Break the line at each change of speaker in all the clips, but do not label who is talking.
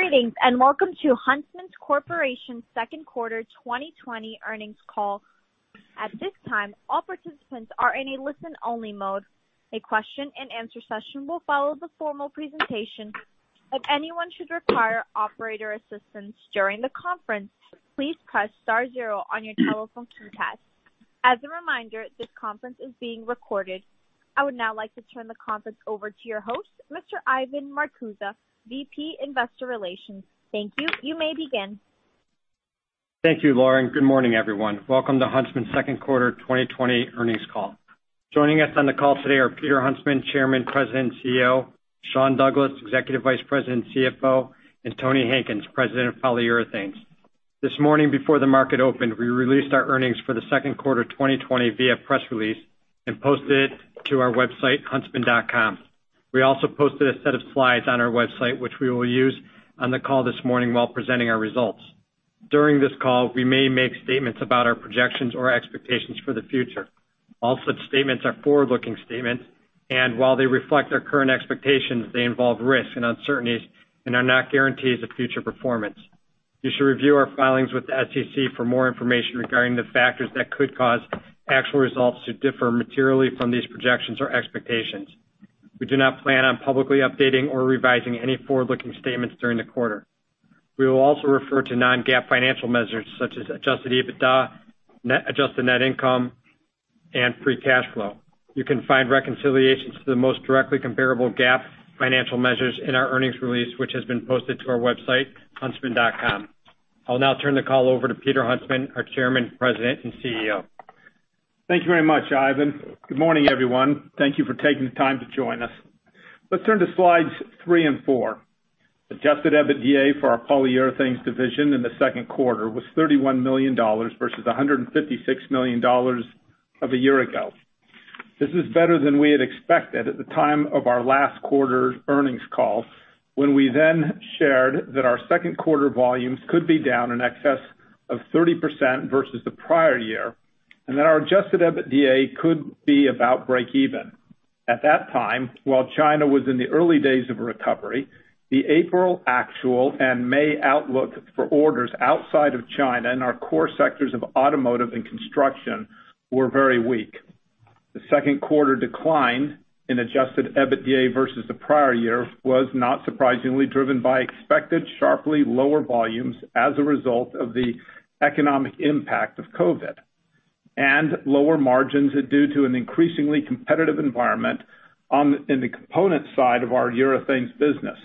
Greetings, and welcome to Huntsman Corporation's second quarter 2020 earnings call. At this time, all participants are in a listen-only mode. A question and answer session will follow the formal presentation. If anyone should require operator assistance during the conference, please press star zero on your telephone keypad. As a reminder, this conference is being recorded. I would now like to turn the conference over to your host, Mr. Ivan Marcuse, VP, Investor Relations. Thank you. You may begin.
Thank you, Lauren. Good morning, everyone. Welcome to Huntsman's second quarter 2020 earnings call. Joining us on the call today are Peter Huntsman, Chairman, President, CEO; Sean Douglas, Executive Vice President, CFO; and Tony Hankins, President of Polyurethanes. This morning before the market opened, we released our earnings for the second quarter 2020 via press release and posted it to our website, huntsman.com. We also posted a set of slides on our website, which we will use on the call this morning while presenting our results. During this call, we may make statements about our projections or expectations for the future. All such statements are forward-looking statements, and while they reflect our current expectations, they involve risks and uncertainties and are not guarantees of future performance. You should review our filings with the SEC for more information regarding the factors that could cause actual results to differ materially from these projections or expectations. We do not plan on publicly updating or revising any forward-looking statements during the quarter. We will also refer to non-GAAP financial measures such as adjusted EBITDA, adjusted net income, and free cash flow. You can find reconciliations to the most directly comparable GAAP financial measures in our earnings release, which has been posted to our website, huntsman.com. I'll now turn the call over to Peter Huntsman, our Chairman, President, and CEO.
Thank you very much, Ivan. Good morning, everyone. Thank you for taking the time to join us. Let's turn to slides three and four. Adjusted EBITDA for our Polyurethanes division in the second quarter was $31 million versus $156 million of a year ago. This is better than we had expected at the time of our last quarter's earnings call, when we then shared that our second quarter volumes could be down in excess of 30% versus the prior year, and that our adjusted EBITDA could be about break even. At that time, while China was in the early days of recovery, the April actual and May outlook for orders outside of China in our core sectors of automotive and construction were very weak. The second quarter decline in adjusted EBITDA versus the prior year was not surprisingly driven by expected sharply lower volumes as a result of the economic impact of COVID, and lower margins due to an increasingly competitive environment in the component side of our Polyurethanes business.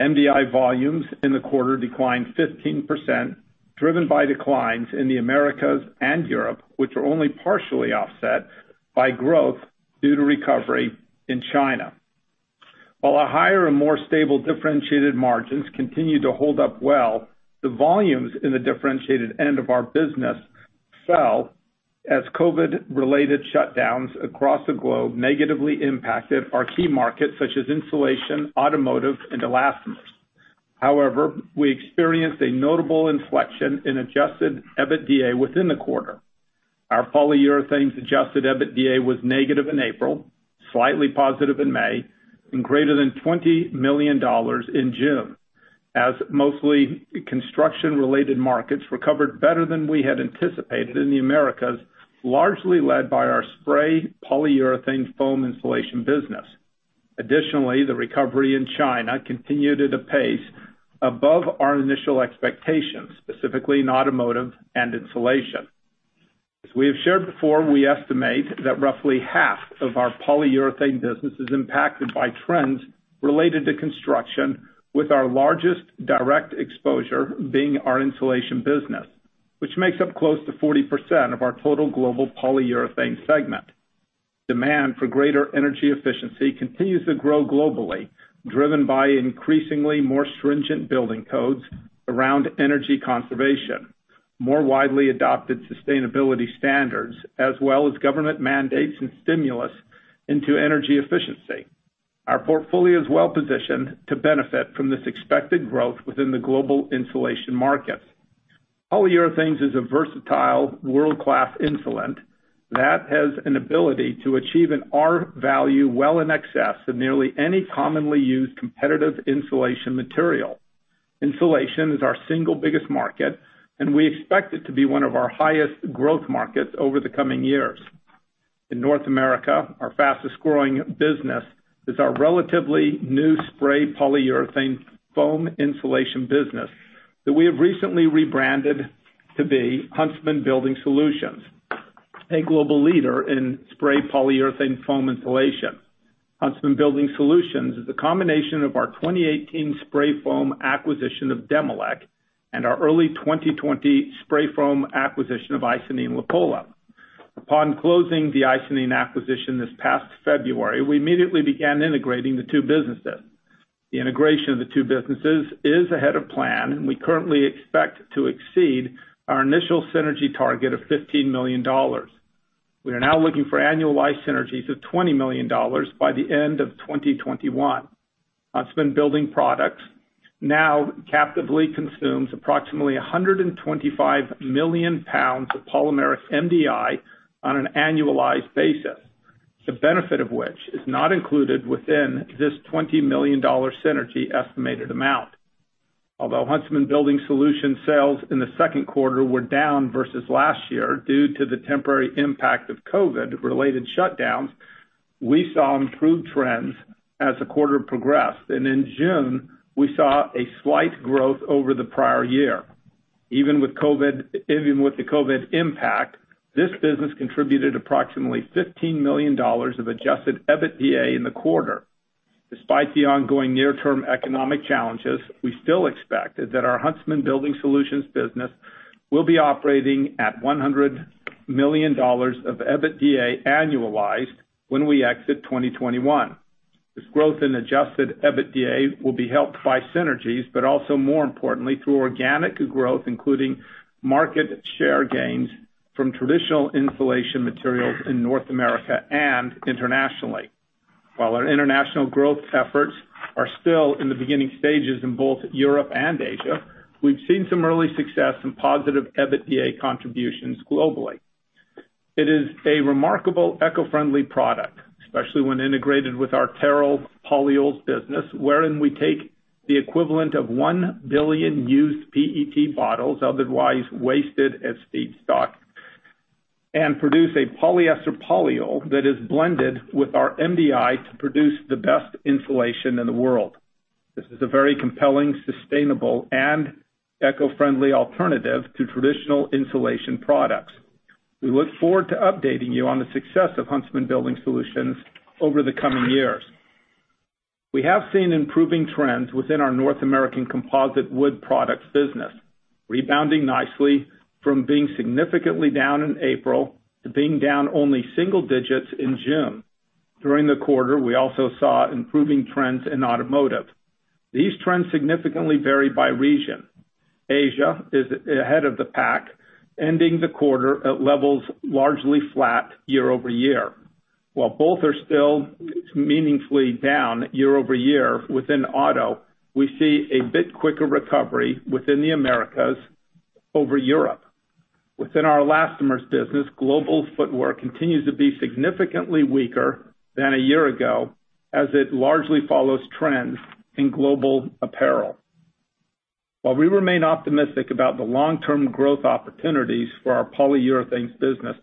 MDI volumes in the quarter declined 15%, driven by declines in the Americas and Europe, which were only partially offset by growth due to recovery in China. While our higher and more stable differentiated margins continued to hold up well, the volumes in the differentiated end of our business fell as COVID related shutdowns across the globe negatively impacted our key markets, such as insulation, automotive, and elastomers. However, we experienced a notable inflection in adjusted EBITDA within the quarter. Our Polyurethanes adjusted EBITDA was negative in April, slightly positive in May, and greater than $20 million in June, as mostly construction-related markets recovered better than we had anticipated in the Americas, largely led by our spray polyurethane foam insulation business. The recovery in China continued at a pace above our initial expectations, specifically in automotive and insulation. As we have shared before, we estimate that half of our Polyurethanes business is impacted by trends related to construction, with our largest direct exposure being our insulation business, which makes up close to 40% of our total global Polyurethanes segment. Demand for greater energy efficiency continues to grow globally, driven by increasingly more stringent building codes around energy conservation, more widely adopted sustainability standards, as well as government mandates and stimulus into energy efficiency. Our portfolio is well-positioned to benefit from this expected growth within the global insulation markets. Polyurethanes is a versatile world-class insulant that has an ability to achieve an R-value well in excess of nearly any commonly used competitive insulation material. Insulation is our single biggest market, and we expect it to be one of our highest growth markets over the coming years. In North America, our fastest growing business is our relatively new spray polyurethane foam insulation business that we have recently rebranded to be Huntsman Building Solutions, a global leader in spray polyurethane foam insulation. Huntsman Building Solutions is a combination of our 2018 spray foam acquisition of Demilec and our early 2020 spray foam acquisition of Icynene-Lapolla. Upon closing the Icynene acquisition this past February, we immediately began integrating the two businesses. The integration of the two businesses is ahead of plan, and we currently expect to exceed our initial synergy target of $15 million. We are now looking for annualized synergies of $20 million by the end of 2021. Huntsman Building Solutions now captively consumes approximately 125 million pounds of polymeric MDI on an annualized basis. The benefit of which is not included within this $20 million synergy estimated amount. Although Huntsman Building Solutions sales in the second quarter were down versus last year due to the temporary impact of COVID related shutdowns, we saw improved trends as the quarter progressed. In June, we saw a slight growth over the prior year. Even with the COVID impact, this business contributed approximately $15 million of adjusted EBITDA in the quarter. Despite the ongoing near-term economic challenges, we still expect that our Huntsman Building Solutions business will be operating at $100 million of EBITDA annualized when we exit 2021. This growth in adjusted EBITDA will be helped by synergy but also more importantly, through organic growth, including market share gains from traditional insulation materials in North America and internationally. While our international growth efforts are still in the beginning stages in both Europe and Asia, we've seen some early success and positive EBITDA contributions globally. It is a remarkable eco-friendly product, especially when integrated with our TEROL polyols business, wherein we take the equivalent of 1 billion used PET bottles, otherwise wasted as feedstock, and produce a polyester polyol that is blended with our MDI to produce the best insulation in the world. This is a very compelling, sustainable, and eco-friendly alternative to traditional insulation products. We look forward to updating you on the success of Huntsman Building Solutions over the coming years. We have seen improving trends within our North American Composite Wood Products business, rebounding nicely from being significantly down in April to being down only single digits in June. During the quarter, we also saw improving trends in automotive. These trends significantly vary by region. Asia is ahead of the pack, ending the quarter at levels largely flat year-over-year. While both are still meaningfully down year-over-year within auto, we see a bit quicker recovery within the Americas over Europe. Within our Elastomers business, global footwear continues to be significantly weaker than a year ago, as it largely follows trends in global apparel. While we remain optimistic about the long-term growth opportunities for our Polyurethanes business,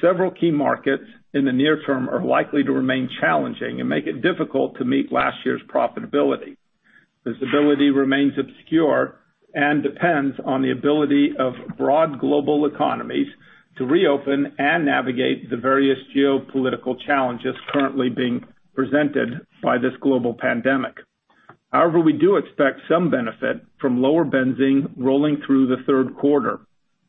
several key markets in the near term are likely to remain challenging and make it difficult to meet last year's profitability. Visibility remains obscure and depends on the ability of broad global economies to reopen and navigate the various geopolitical challenges currently being presented by this global pandemic. We do expect some benefit from lower benzene rolling through the third quarter.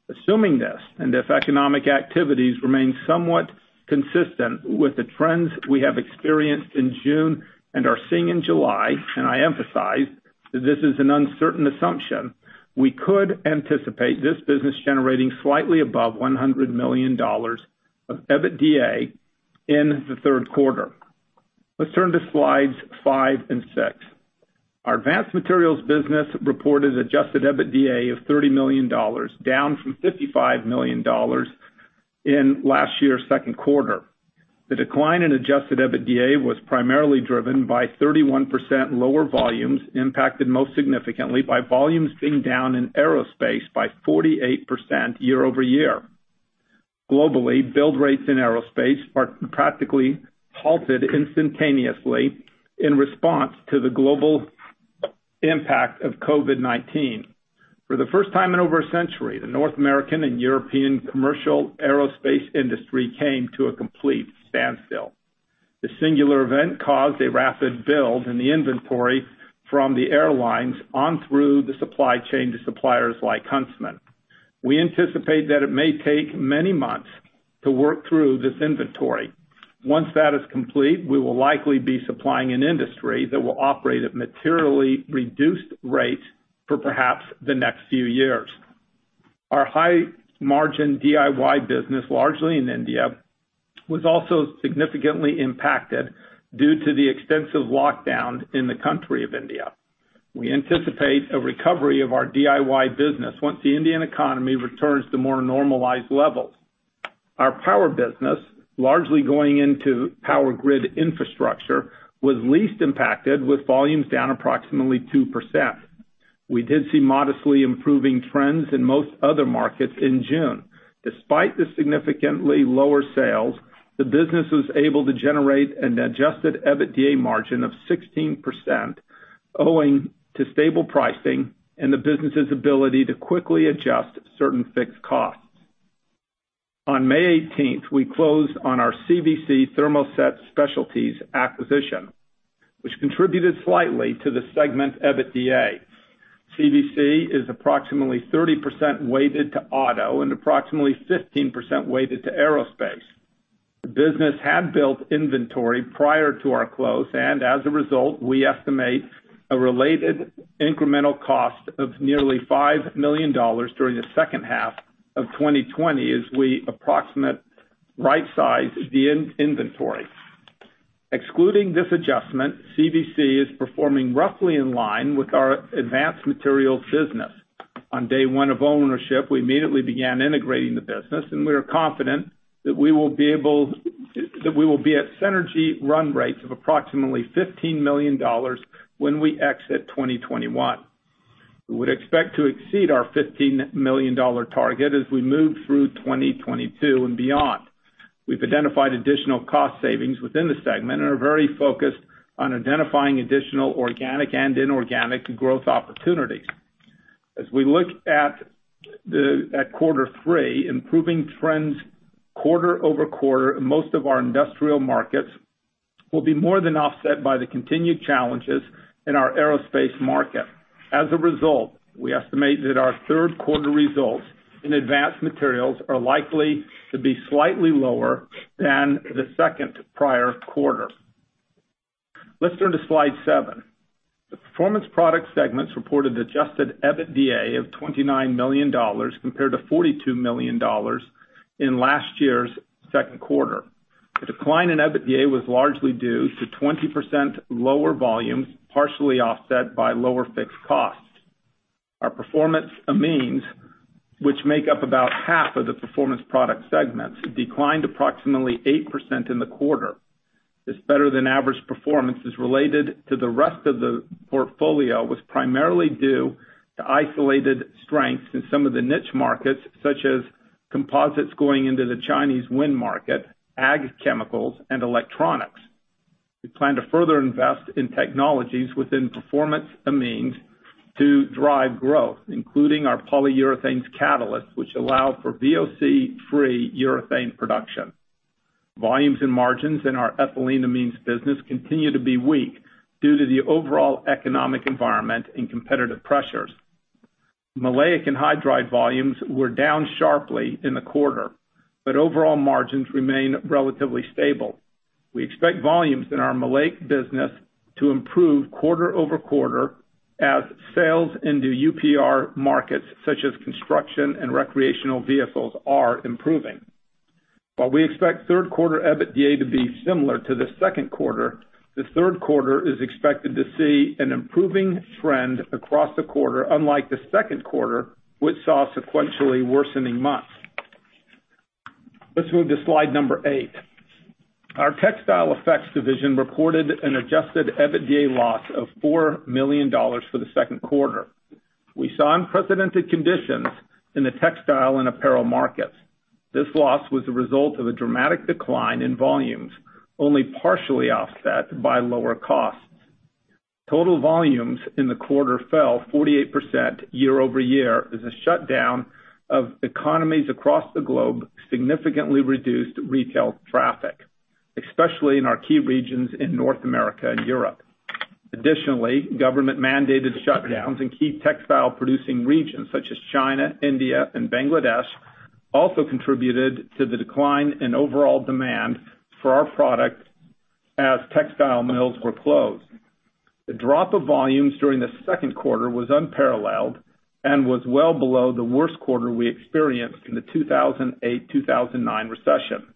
Assuming this, and if economic activities remain somewhat consistent with the trends we have experienced in June and are seeing in July, and I emphasize that this is an uncertain assumption, we could anticipate this business generating slightly above $100 million of EBITDA in the third quarter. Let's turn to slides five and six. Our Advanced Materials business reported adjusted EBITDA of $30 million, down from $55 million in last year's second quarter. The decline in adjusted EBITDA was primarily driven by 31% lower volumes, impacted most significantly by volumes being down in aerospace by 48% year-over-year. Globally, build rates in aerospace are practically halted instantaneously in response to the global impact of COVID-19. For the first time in over a century, the North American and European commercial aerospace industry came to a complete standstill. The singular event caused a rapid build in the inventory from the airlines on through the supply chain to suppliers like Huntsman. We anticipate that it may take many months to work through this inventory. Once that is complete, we will likely be supplying an industry that will operate at materially reduced rates for perhaps the next few years. Our high margin DIY business, largely in India, was also significantly impacted due to the extensive lockdown in the country of India. We anticipate a recovery of our DIY business once the Indian economy returns to more normalized levels. Our power business, largely going into power grid infrastructure, was least impacted with volumes down approximately 2%. We did see modestly improving trends in most other markets in June. Despite the significantly lower sales, the business was able to generate an adjusted EBITDA margin of 16%, owing to stable pricing and the business's ability to quickly adjust certain fixed costs. On May 18th, we closed on our CVC Thermoset Specialties acquisition, which contributed slightly to the segment EBITDA. CVC is approximately 30% weighted to auto and approximately 15% weighted to aerospace. The business had built inventory prior to our close. As a result, we estimate a related incremental cost of nearly $5 million during the second half of 2020 as we approximate right-size the inventory. Excluding this adjustment, CVC is performing roughly in line with our Advanced Materials business. On day one of ownership, we immediately began integrating the business. We are confident that we will be at synergy run rates of approximately $15 million when we exit 2021. We would expect to exceed our $15 million target as we move through 2022 and beyond. We've identified additional cost savings within the segment. We are very focused on identifying additional organic and inorganic growth opportunities. As we look at quarter three, improving trends quarter-over-quarter in most of our industrial markets will be more than offset by the continued challenges in our aerospace market. As a result, we estimate that our third quarter results in Advanced Materials are likely to be slightly lower than the second prior quarter. Let's turn to slide seven. The Performance Products segment reported adjusted EBITDA of $29 million compared to $42 million in last year's second quarter. The decline in EBITDA was largely due to 20% lower volumes, partially offset by lower fixed costs. Our performance amines, which make up about half of the Performance Products segment, declined approximately 8% in the quarter. This better-than-average performance as related to the rest of the portfolio was primarily due to isolated strengths in some of the niche markets, such as composites going into the Chinese wind market, ag chemicals, and electronics. We plan to further invest in technologies within performance amines to drive growth, including our polyurethanes catalyst, which allow for VOC-free urethane production. Volumes and margins in our ethyleneamines business continue to be weak due to the overall economic environment and competitive pressures. Maleic anhydride were down sharply in the quarter but overall margins remain relatively stable. We expect volumes in our maleic business to improve quarter-over-quarter as sales into UPR markets, such as construction and recreational vehicles, are improving. While we expect third quarter EBITDA to be similar to the second quarter, the third quarter is expected to see an improving trend across the quarter, unlike the second quarter, which saw sequentially worsening months. Let's move to slide number eight. Our Textile Effects division reported an adjusted EBITDA loss of $4 million for the second quarter. We saw unprecedented conditions in the textile and apparel markets. This loss was the result of a dramatic decline in volumes, only partially offset by lower costs. Total volumes in the quarter fell 48% year-over-year as the shutdown of economies across the globe significantly reduced retail traffic, especially in our key regions in North America and Europe. Additionally, government-mandated shutdowns in key textile-producing regions such as China, India, and Bangladesh also contributed to the decline in overall demand for our product as textile mills were closed. The drop of volumes during the second quarter was unparalleled and was well below the worst quarter we experienced in the 2008-2009 recession.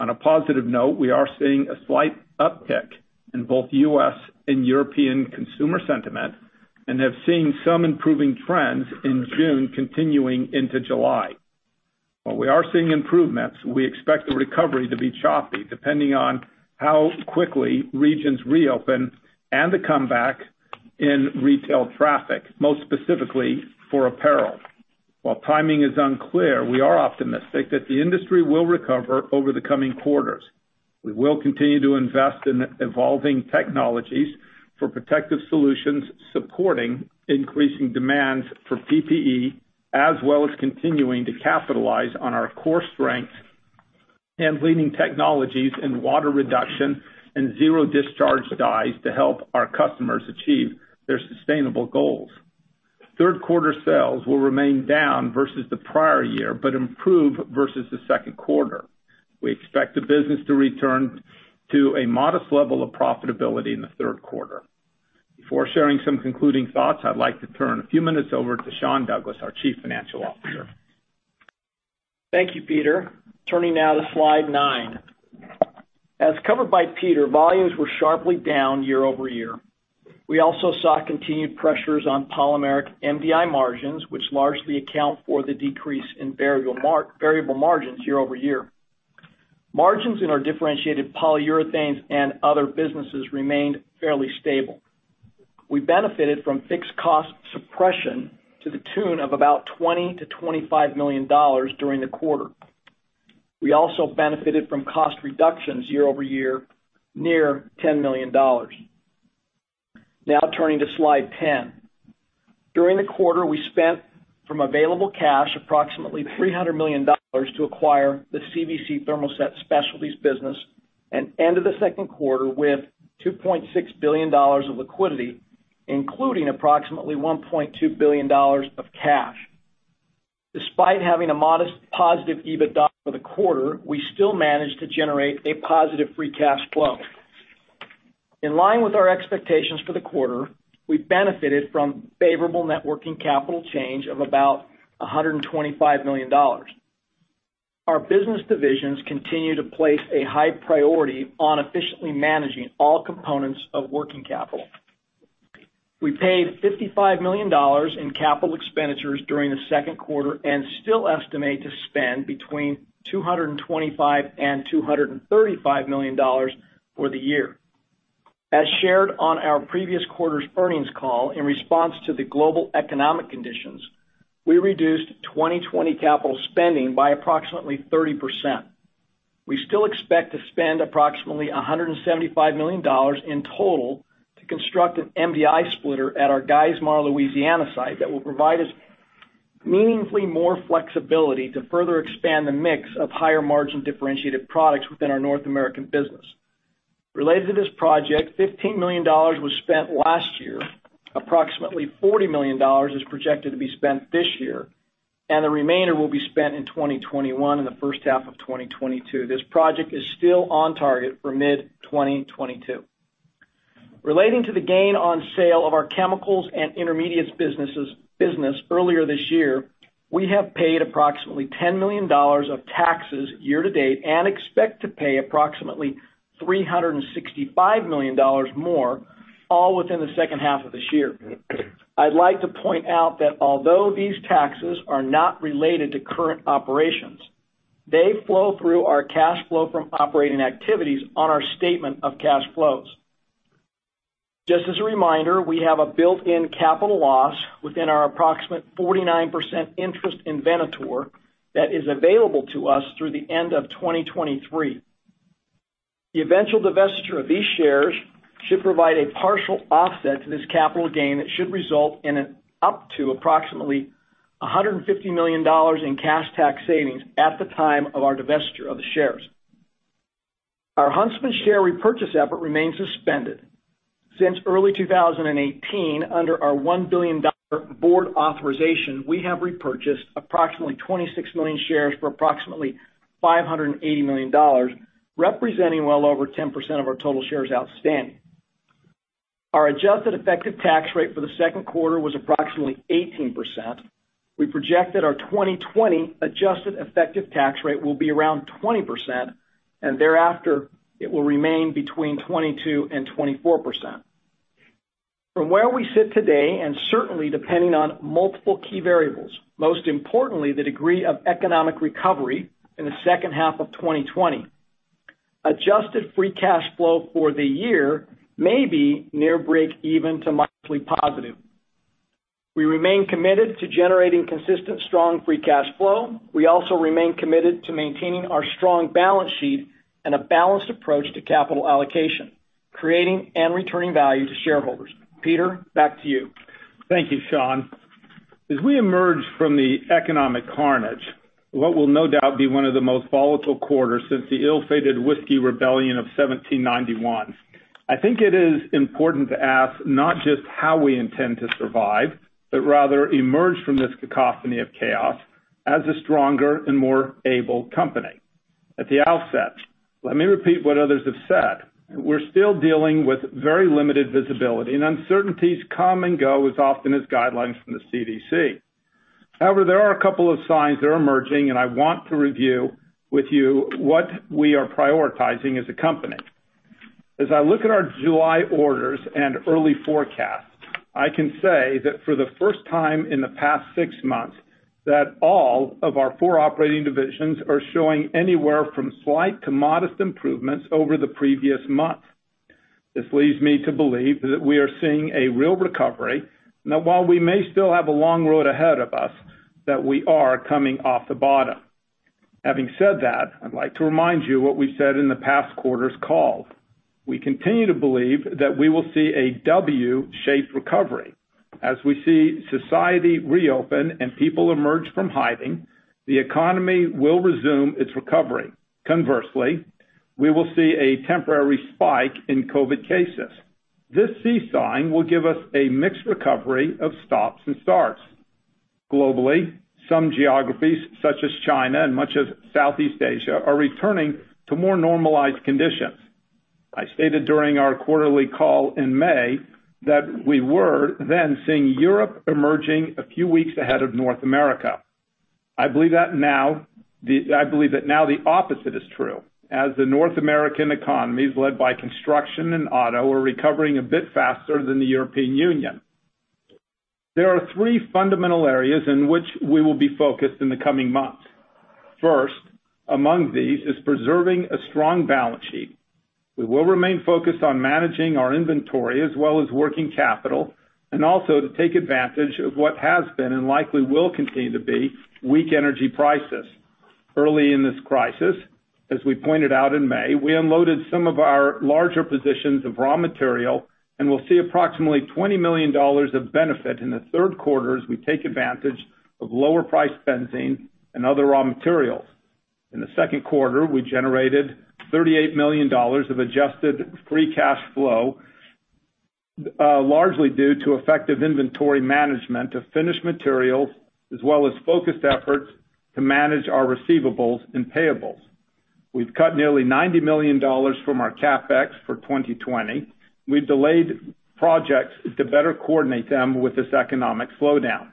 On a positive note, we are seeing a slight uptick in both U.S. and European consumer sentiment and have seen some improving trends in June continuing into July. While we are seeing improvements, we expect the recovery to be choppy depending on how quickly regions reopen and the comeback in retail traffic, most specifically for apparel. While timing is unclear, we are optimistic that the industry will recover over the coming quarters. We will continue to invest in evolving technologies for protective solutions, supporting increasing demands for PPE, as well as continuing to capitalize on our core strengths and leading technologies in water reduction and zero-discharge dyes to help our customers achieve their sustainable goals. Third quarter sales will remain down versus the prior year but improve versus the second quarter. We expect the business to return to a modest level of profitability in the third quarter. Before sharing some concluding thoughts, I'd like to turn a few minutes over to Sean Douglas, our Chief Financial Officer.
Thank you, Peter. Turning now to slide nine. As covered by Peter, volumes were sharply down year-over-year. We also saw continued pressures on polymeric MDI margins, which largely account for the decrease in variable margins year-over-year. Margins in our differentiated polyurethanes and other businesses remained fairly stable. We benefited from fixed cost suppression to the tune of about $20 million-$25 million during the quarter. We also benefited from cost reductions year-over-year, near $10 million. Turning to slide 10. During the quarter, we spent from available cash approximately $300 million to acquire the CVC Thermoset Specialties business and ended the second quarter with $2.6 billion of liquidity, including approximately $1.2 billion of cash. Despite having a modest positive EBITDA for the quarter, we still managed to generate a positive free cash flow. In line with our expectations for the quarter, we benefited from favorable net working capital change of about $125 million. Our business divisions continue to place a high priority on efficiently managing all components of working capital. We paid $55 million in capital expenditures during the second quarter and still estimate to spend between $225 million and $235 million for the year. As shared on our previous quarter's earnings call, in response to the global economic conditions, we reduced 2020 capital spending by approximately 30%. We still expect to spend approximately $175 million in total to construct an MDI splitter at our Geismar, Louisiana site that will provide us meaningfully more flexibility to further expand the mix of higher margin differentiated products within our North American business. Related to this project, $15 million was spent last year. Approximately $40 million is projected to be spent this year. The remainder will be spent in 2021 and the first half of 2022. This project is still on target for mid-2022. Relating to the gain on sale of our chemicals and intermediates business earlier this year, we have paid approximately $10 million of taxes year to date and expect to pay approximately $365 million more, all within the second half of this year. I'd like to point out that although these taxes are not related to current operations, they flow through our cash flow from operating activities on our statement of cash flows. Just as a reminder, we have a built-in capital loss within our approximate 49% interest in Venator that is available to us through the end of 2023. The eventual divestiture of these shares should provide a partial offset to this capital gain that should result in up to approximately $150 million in cash tax savings at the time of our divestiture of the shares. Our Huntsman share repurchase effort remains suspended. Since early 2018, under our $1 billion board authorization, we have repurchased approximately 26 million shares for approximately $580 million, representing well over 10% of our total shares outstanding. Our adjusted effective tax rate for the second quarter was approximately 18%. We projected our 2020 adjusted effective tax rate will be around 20%, and thereafter, it will remain between 22%-24%. From where we sit today, and certainly depending on multiple key variables, most importantly, the degree of economic recovery in the second half of 2020, adjusted free cash flow for the year may be near break even to mildly positive. We remain committed to generating consistent strong free cash flow. We also remain committed to maintaining our strong balance sheet and a balanced approach to capital allocation, creating and returning value to shareholders. Peter, back to you.
Thank you, Sean. As we emerge from the economic carnage, what will no doubt be one of the most volatile quarters since the ill-fated Whiskey Rebellion of 1791, I think it is important to ask not just how we intend to survive, but rather emerge from this cacophony of chaos as a stronger and more able company. At the outset, let me repeat what others have said. We're still dealing with very limited visibility, and uncertainties come and go as often as guidelines from the CDC. However, there are a couple of signs that are emerging, and I want to review with you what we are prioritizing as a company. As I look at our July orders and early forecasts, I can say that for the first time in the past six months that all of our four operating divisions are showing anywhere from slight to modest improvements over the previous month. This leads me to believe that we are seeing a real recovery, and that while we may still have a long road ahead of us, that we are coming off the bottom. Having said that, I'd like to remind you what we said in the past quarter's call. We continue to believe that we will see a W-shaped recovery. As we see society reopen and people emerge from hiding, the economy will resume its recovery. Conversely, we will see a temporary spike in COVID cases. This seesawing will give us a mixed recovery of stops and starts. Globally, some geographies such as China and much of Southeast Asia are returning to more normalized conditions. I stated during our quarterly call in May that we were then seeing Europe emerging a few weeks ahead of North America. I believe that now the opposite is true, as the North American economies, led by construction and auto, are recovering a bit faster than the European Union. There are three fundamental areas in which we will be focused in the coming months. First among these is preserving a strong balance sheet. We will remain focused on managing our inventory as well as working capital, and also to take advantage of what has been and likely will continue to be weak energy prices. Early in this crisis, as we pointed out in May, we unloaded some of our larger positions of raw material, and we'll see approximately $20 million of benefit in the third quarter as we take advantage of lower priced benzene and other raw materials. In the second quarter, we generated $38 million of adjusted free cash flow largely due to effective inventory management of finished materials, as well as focused efforts to manage our receivables and payables. We've cut nearly $90 million from our CapEx for 2020. We've delayed projects to better coordinate them with this economic slowdown.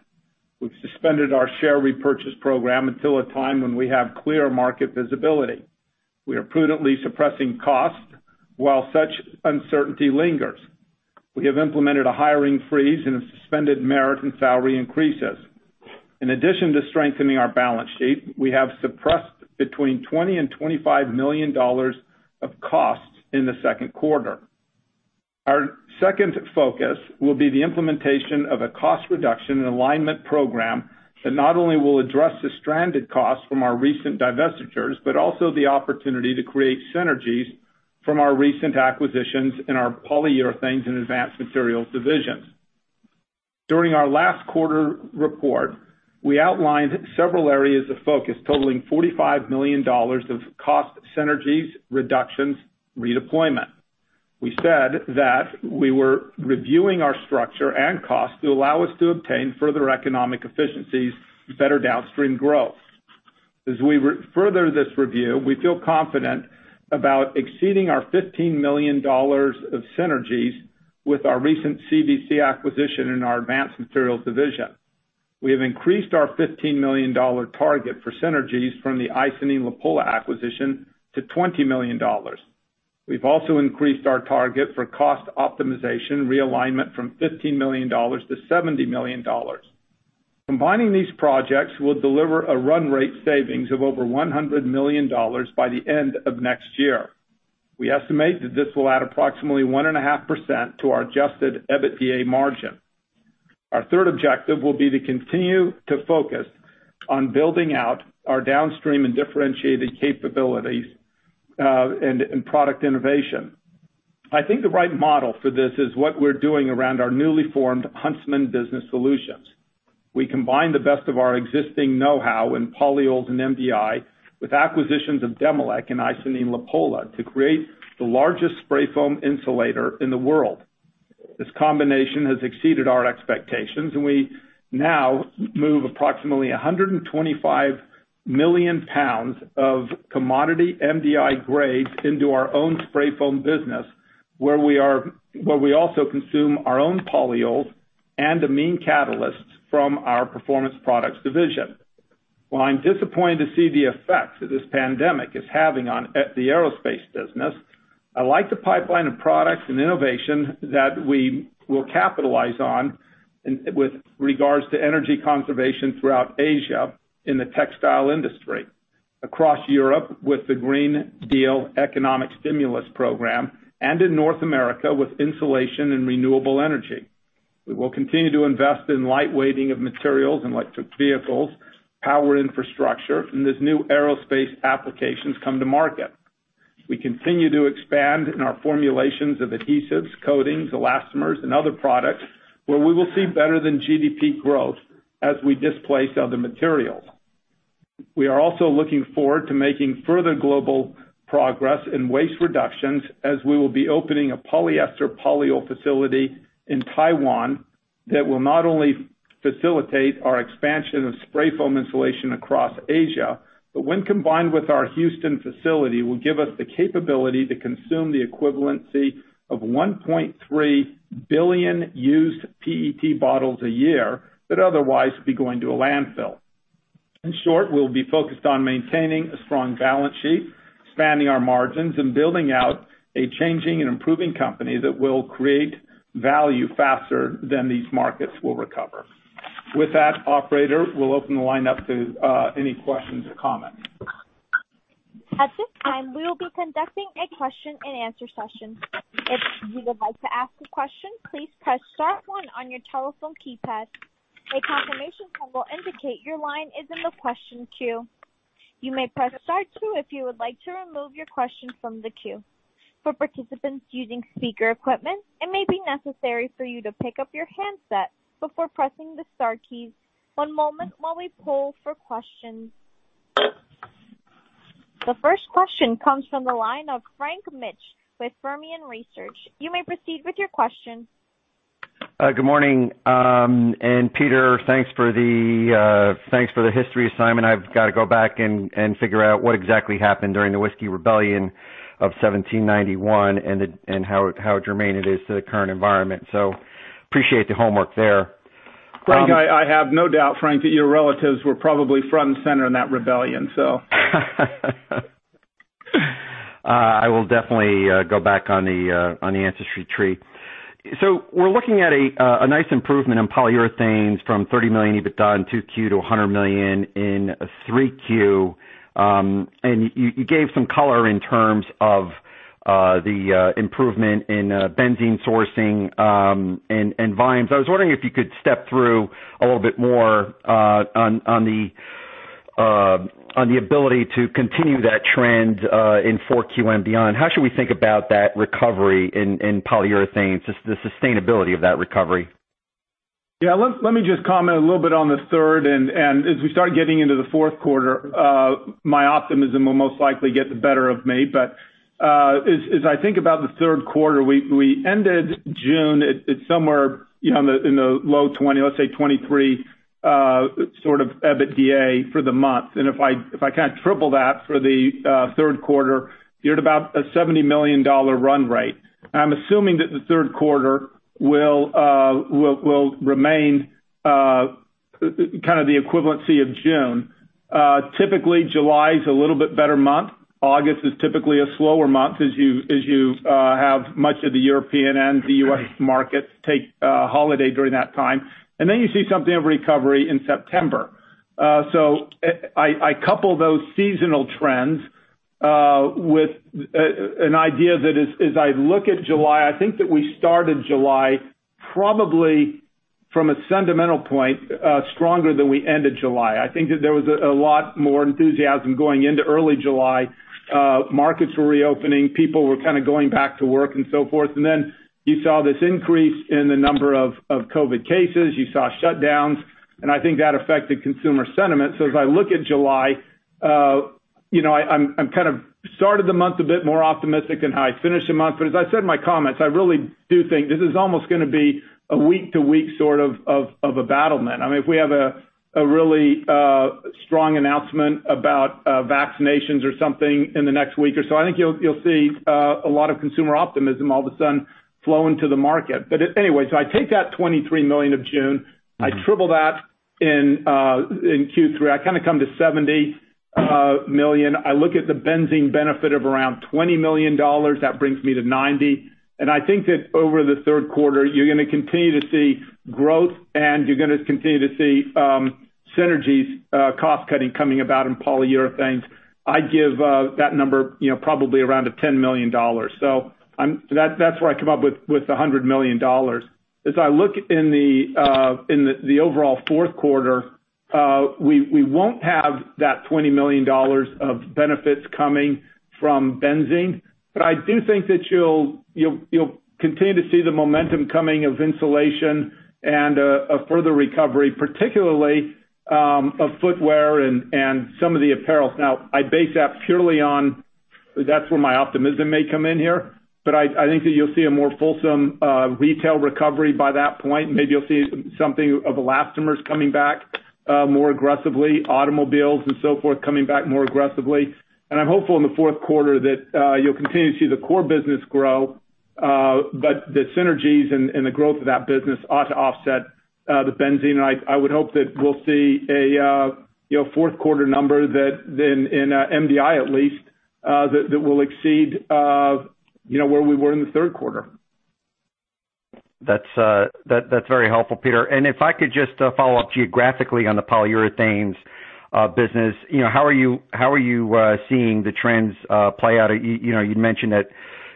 We've suspended our share repurchase program until a time when we have clear market visibility. We are prudently suppressing costs while such uncertainty lingers. We have implemented a hiring freeze and have suspended merit and salary increases. In addition to strengthening our balance sheet, we have suppressed $20 million-$25 million of costs in the second quarter. Our second focus will be the implementation of a cost reduction and alignment program that not only will address the stranded costs from our recent divestitures, but also the opportunity to create synergies from our recent acquisitions in our Polyurethanes and Advanced Materials divisions. During our last quarter report, we outlined several areas of focus totaling $45 million of cost synergies, reductions, redeployment. We said that we were reviewing our structure and cost to allow us to obtain further economic efficiencies to better downstream growth. As we further this review, we feel confident about exceeding our $15 million of synergies with our recent CVC acquisition in our Advanced Materials division. We have increased our $15 million target for synergies from the Icynene-Lapolla acquisition to $20 million. We've also increased our target for cost optimization realignment from $50 million to $70 million. Combining these projects will deliver a run rate savings of over $100 million by the end of next year. We estimate that this will add approximately 1.5% to our adjusted EBITDA margin. Our third objective will be to continue to focus on building out our downstream and differentiated capabilities, and product innovation. I think the right model for this is what we're doing around our newly formed Huntsman Building Solutions. We combine the best of our existing know-how in polyols and MDI with acquisitions of Demilec and Icynene-Lapolla to create the largest spray foam insulator in the world. This combination has exceeded our expectations, and we now move approximately 125 million pounds of commodity MDI grades into our own spray foam business, where we also consume our own polyols and amine catalysts from our Performance Products division. While I'm disappointed to see the effects that this pandemic is having on the aerospace business, I like the pipeline of products and innovation that we will capitalize on with regards to energy conservation throughout Asia in the textile industry, across Europe with the Green Deal economic stimulus program, and in North America with insulation and renewable energy. We will continue to invest in lightweighting of materials and electric vehicles, power infrastructure, and as new aerospace applications come to market. We continue to expand in our formulations of adhesives, coatings, elastomers, and other products where we will see better than GDP growth as we displace other materials. We are also looking forward to making further global progress in waste reductions as we will be opening a polyester polyol facility in Taiwan that will not only facilitate our expansion of spray foam insulation across Asia, but when combined with our Houston facility, will give us the capability to consume the equivalency of 1.3 billion used PET bottles a year that otherwise would be going to a landfill. In short, we'll be focused on maintaining a strong balance sheet, expanding our margins, and building out a changing and improving company that will create value faster than these markets will recover. With that, operator, we'll open the line up to any questions or comments.
At this time, we will be conducting a question-and-answer session. If you would like to ask a question, please press star one on your telephone keypad. A confirmation tone will indicate your line is in the question queue. You may press star two if you would like to remove your question from the queue. For participants using speaker equipment, it may be necessary for you to pick up your handset before pressing the star keys. One moment while we poll for questions. The first question comes from the line of Frank Mitsch with Fermium Research. You may proceed with your question.
Good morning. Peter, thanks for the history assignment. I've got to go back and figure out what exactly happened during the Whiskey Rebellion of 1791 and how germane it is to the current environment. Appreciate the homework there.
Frank, I have no doubt, Frank, that your relatives were probably front and center in that rebellion.
I will definitely go back on the ancestry tree. We're looking at a nice improvement in Polyurethanes from $30 million EBITDA in 2Q to $100 million in 3Q. You gave some color in terms of the improvement in benzene sourcing and volumes. I was wondering if you could step through a little bit more on the ability to continue that trend in 4Q and beyond. How should we think about that recovery in Polyurethanes, just the sustainability of that recovery?
Let me just comment a little bit on the third. As we start getting into the fourth quarter, my optimism will most likely get the better of me. As I think about the third quarter, we ended June at somewhere in the low $20 million, let's say $23 million, sort of EBITDA for the month. If I kind of triple that for the third quarter, you're at about a $70 million run rate. I'm assuming that the third quarter will remain kind of the equivalency of June. Typically, July is a little bit better month. August is typically a slower month as you have much of the European and the U.S. market take a holiday during that time. You see something of a recovery in September. I couple those seasonal trends with an idea that as I look at July, I think that we started July probably from a fundamental point, stronger than we ended July. I think that there was a lot more enthusiasm going into early July. Markets were reopening, people were kind of going back to work and so forth. You saw this increase in the number of COVID cases, you saw shutdowns, and I think that affected consumer sentiment. As I look at July, I'm kind of started the month a bit more optimistic than how I finished the month. As I said in my comments, I really do think this is almost going to be a week-to-week sort of a battle. If we have a really strong announcement about vaccinations or something in the next week or so, I think you'll see a lot of consumer optimism all of a sudden flow into the market. I take that $23 million of June, I triple that in Q3, I kind of come to $70 million. I look at the benzene benefit of around $20 million, that brings me to $90 million. I think that over the third quarter, you're going to continue to see growth and you're going to continue to see synergies cost-cutting coming about in Polyurethanes. I give that number probably around at $10 million. That's where I come up with the $100 million. As I look in the overall fourth quarter, we won't have that $20 million of benefits coming from benzene. I do think that you'll continue to see the momentum coming of insulation and a further recovery, particularly of footwear and some of the apparels. I base that purely on, that's where my optimism may come in here. I think that you'll see a more fulsome retail recovery by that point. Maybe you'll see something of elastomers coming back more aggressively, automobiles and so forth coming back more aggressively. I'm hopeful in the fourth quarter that you'll continue to see the core business grow. The synergies and the growth of that business ought to offset the benzene. I would hope that we'll see a fourth quarter number that in MDI at least, that will exceed where we were in the third quarter.
That's very helpful, Peter. If I could just follow up geographically on the Polyurethanes business, how are you seeing the trends play out? You'd mentioned that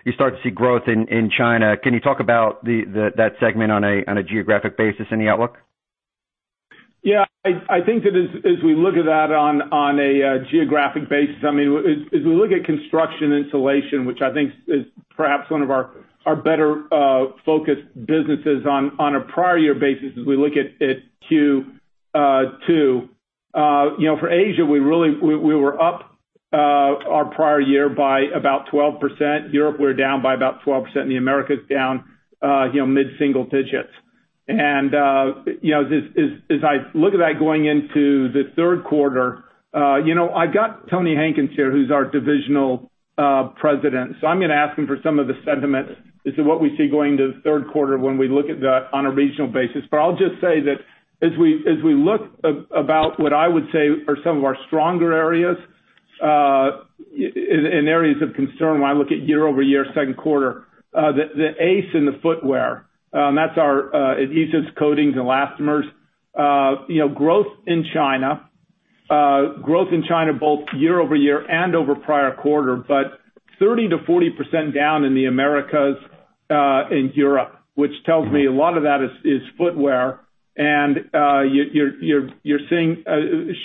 you start to see growth in China. Can you talk about that segment on a geographic basis, any outlook?
I think that as we look at that on a geographic basis, as we look at construction insulation, which I think is perhaps one of our better-focused businesses on a prior year basis as we look at Q2. For Asia, we were up our prior year by about 12%. Europe, we're down by about 12%, and the Americas down mid-single digits. As I look at that going into the third quarter, I've got Tony Hankins here, who's our divisional president. I'm going to ask him for some of the sentiment as to what we see going into the third quarter when we look at that on a regional basis. I'll just say that as we look about what I would say are some of our stronger areas, in areas of concern when I look at year-over-year second quarter, the ACE in the footwear, that's our adhesives, coatings, elastomers. Growth in China both year-over-year and over prior quarter, but 30%-40% down in the Americas, in Europe, which tells me a lot of that is footwear. You're seeing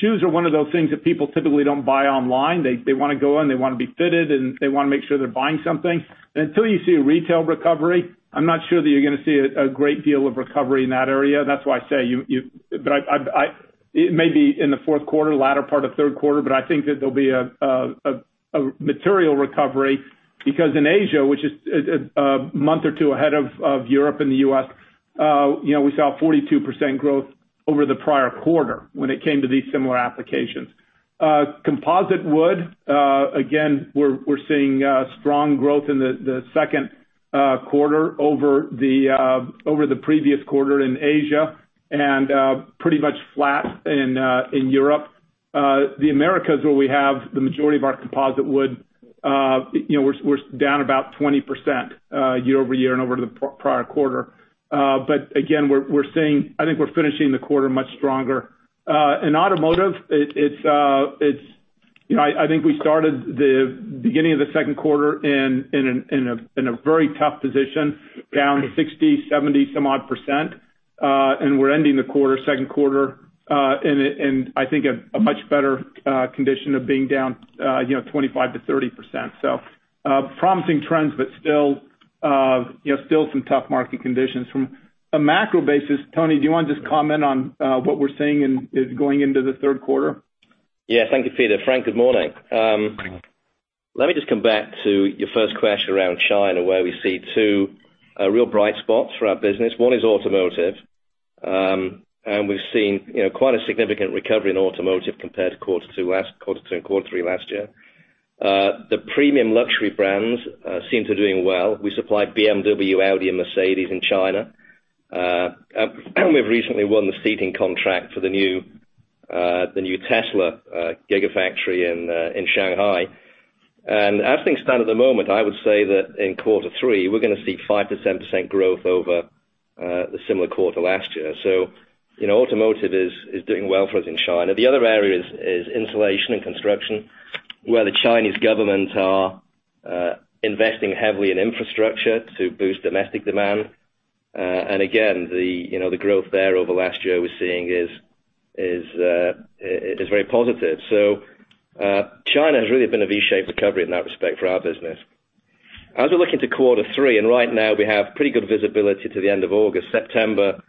shoes are one of those things that people typically don't buy online. They want to go in, they want to be fitted, and they want to make sure they're buying something. Until you see a retail recovery, I'm not sure that you're going to see a great deal of recovery in that area. That's why I say, it may be in the fourth quarter, latter part of third quarter, but I think that there'll be a material recovery because in Asia, which is a month or two ahead of Europe and the U.S., we saw a 42% growth over the prior quarter when it came to these similar applications. Composite wood, again, we're seeing strong growth in the second quarter over the previous quarter in Asia and pretty much flat in Europe. The Americas, where we have the majority of our composite wood, we're down about 20% year-over-year and over to the prior quarter. Again, I think we're finishing the quarter much stronger. In automotive, I think we started the beginning of the second quarter in a very tough position, down 60%, 70%, some odd percent. We're ending the quarter, second quarter, in I think a much better condition of being down 25%-30%. Promising trends, but still some tough market conditions. From a macro basis, Tony, do you want to just comment on what we're seeing going into the third quarter?
Yeah. Thank you, Peter. Frank, good morning.
Good morning.
Let me just come back to your first question around China, where we see two real bright spots for our business. One is automotive. We've seen quite a significant recovery in automotive compared to quarter two and quarter three last year. The premium luxury brands seem to be doing well. We supply BMW, Audi, and Mercedes in China. We've recently won the seating contract for the new Tesla Gigafactory in Shanghai. As things stand at the moment, I would say that in quarter three, we're going to see 5% growth over the similar quarter last year. Automotive is doing well for us in China. The other area is insulation and construction, where the Chinese government are investing heavily in infrastructure to boost domestic demand. Again, the growth there over last year we're seeing is very positive. China has really been a V-shaped recovery in that respect for our business. As we look into quarter three, and right now we have pretty good visibility to the end of August. September,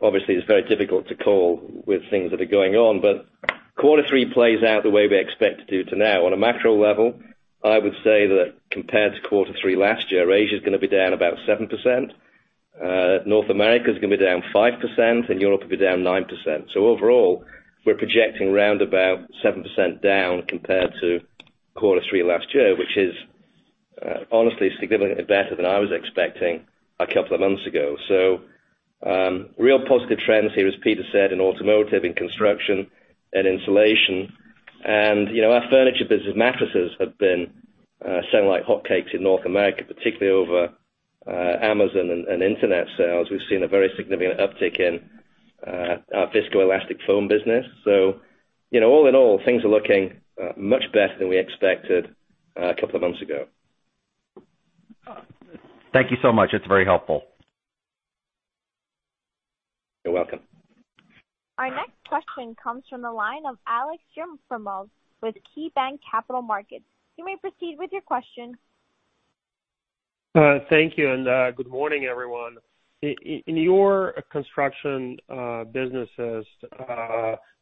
obviously, is very difficult to call with things that are going on. Quarter three plays out the way we expect it to do to now. On a macro level, I would say that compared to quarter three last year, Asia is going to be down about 7%, North America is going to be down 5%, and Europe will be down 9%. Overall, we're projecting around about 7% down compared to quarter three last year, which is honestly significantly better than I was expecting a couple of months ago. Real positive trends here, as Peter said, in automotive, in construction, and insulation. Our furniture business mattresses have been selling like hotcakes in North America, particularly over Amazon and internet sales. We've seen a very significant uptick in our viscoelastic foam business. All in all, things are looking much better than we expected a couple of months ago.
Thank you so much. It's very helpful.
You're welcome.
Our next question comes from the line of Alek Yefremov with KeyBanc Capital Markets. You may proceed with your question.
Thank you, and good morning, everyone. In your construction businesses,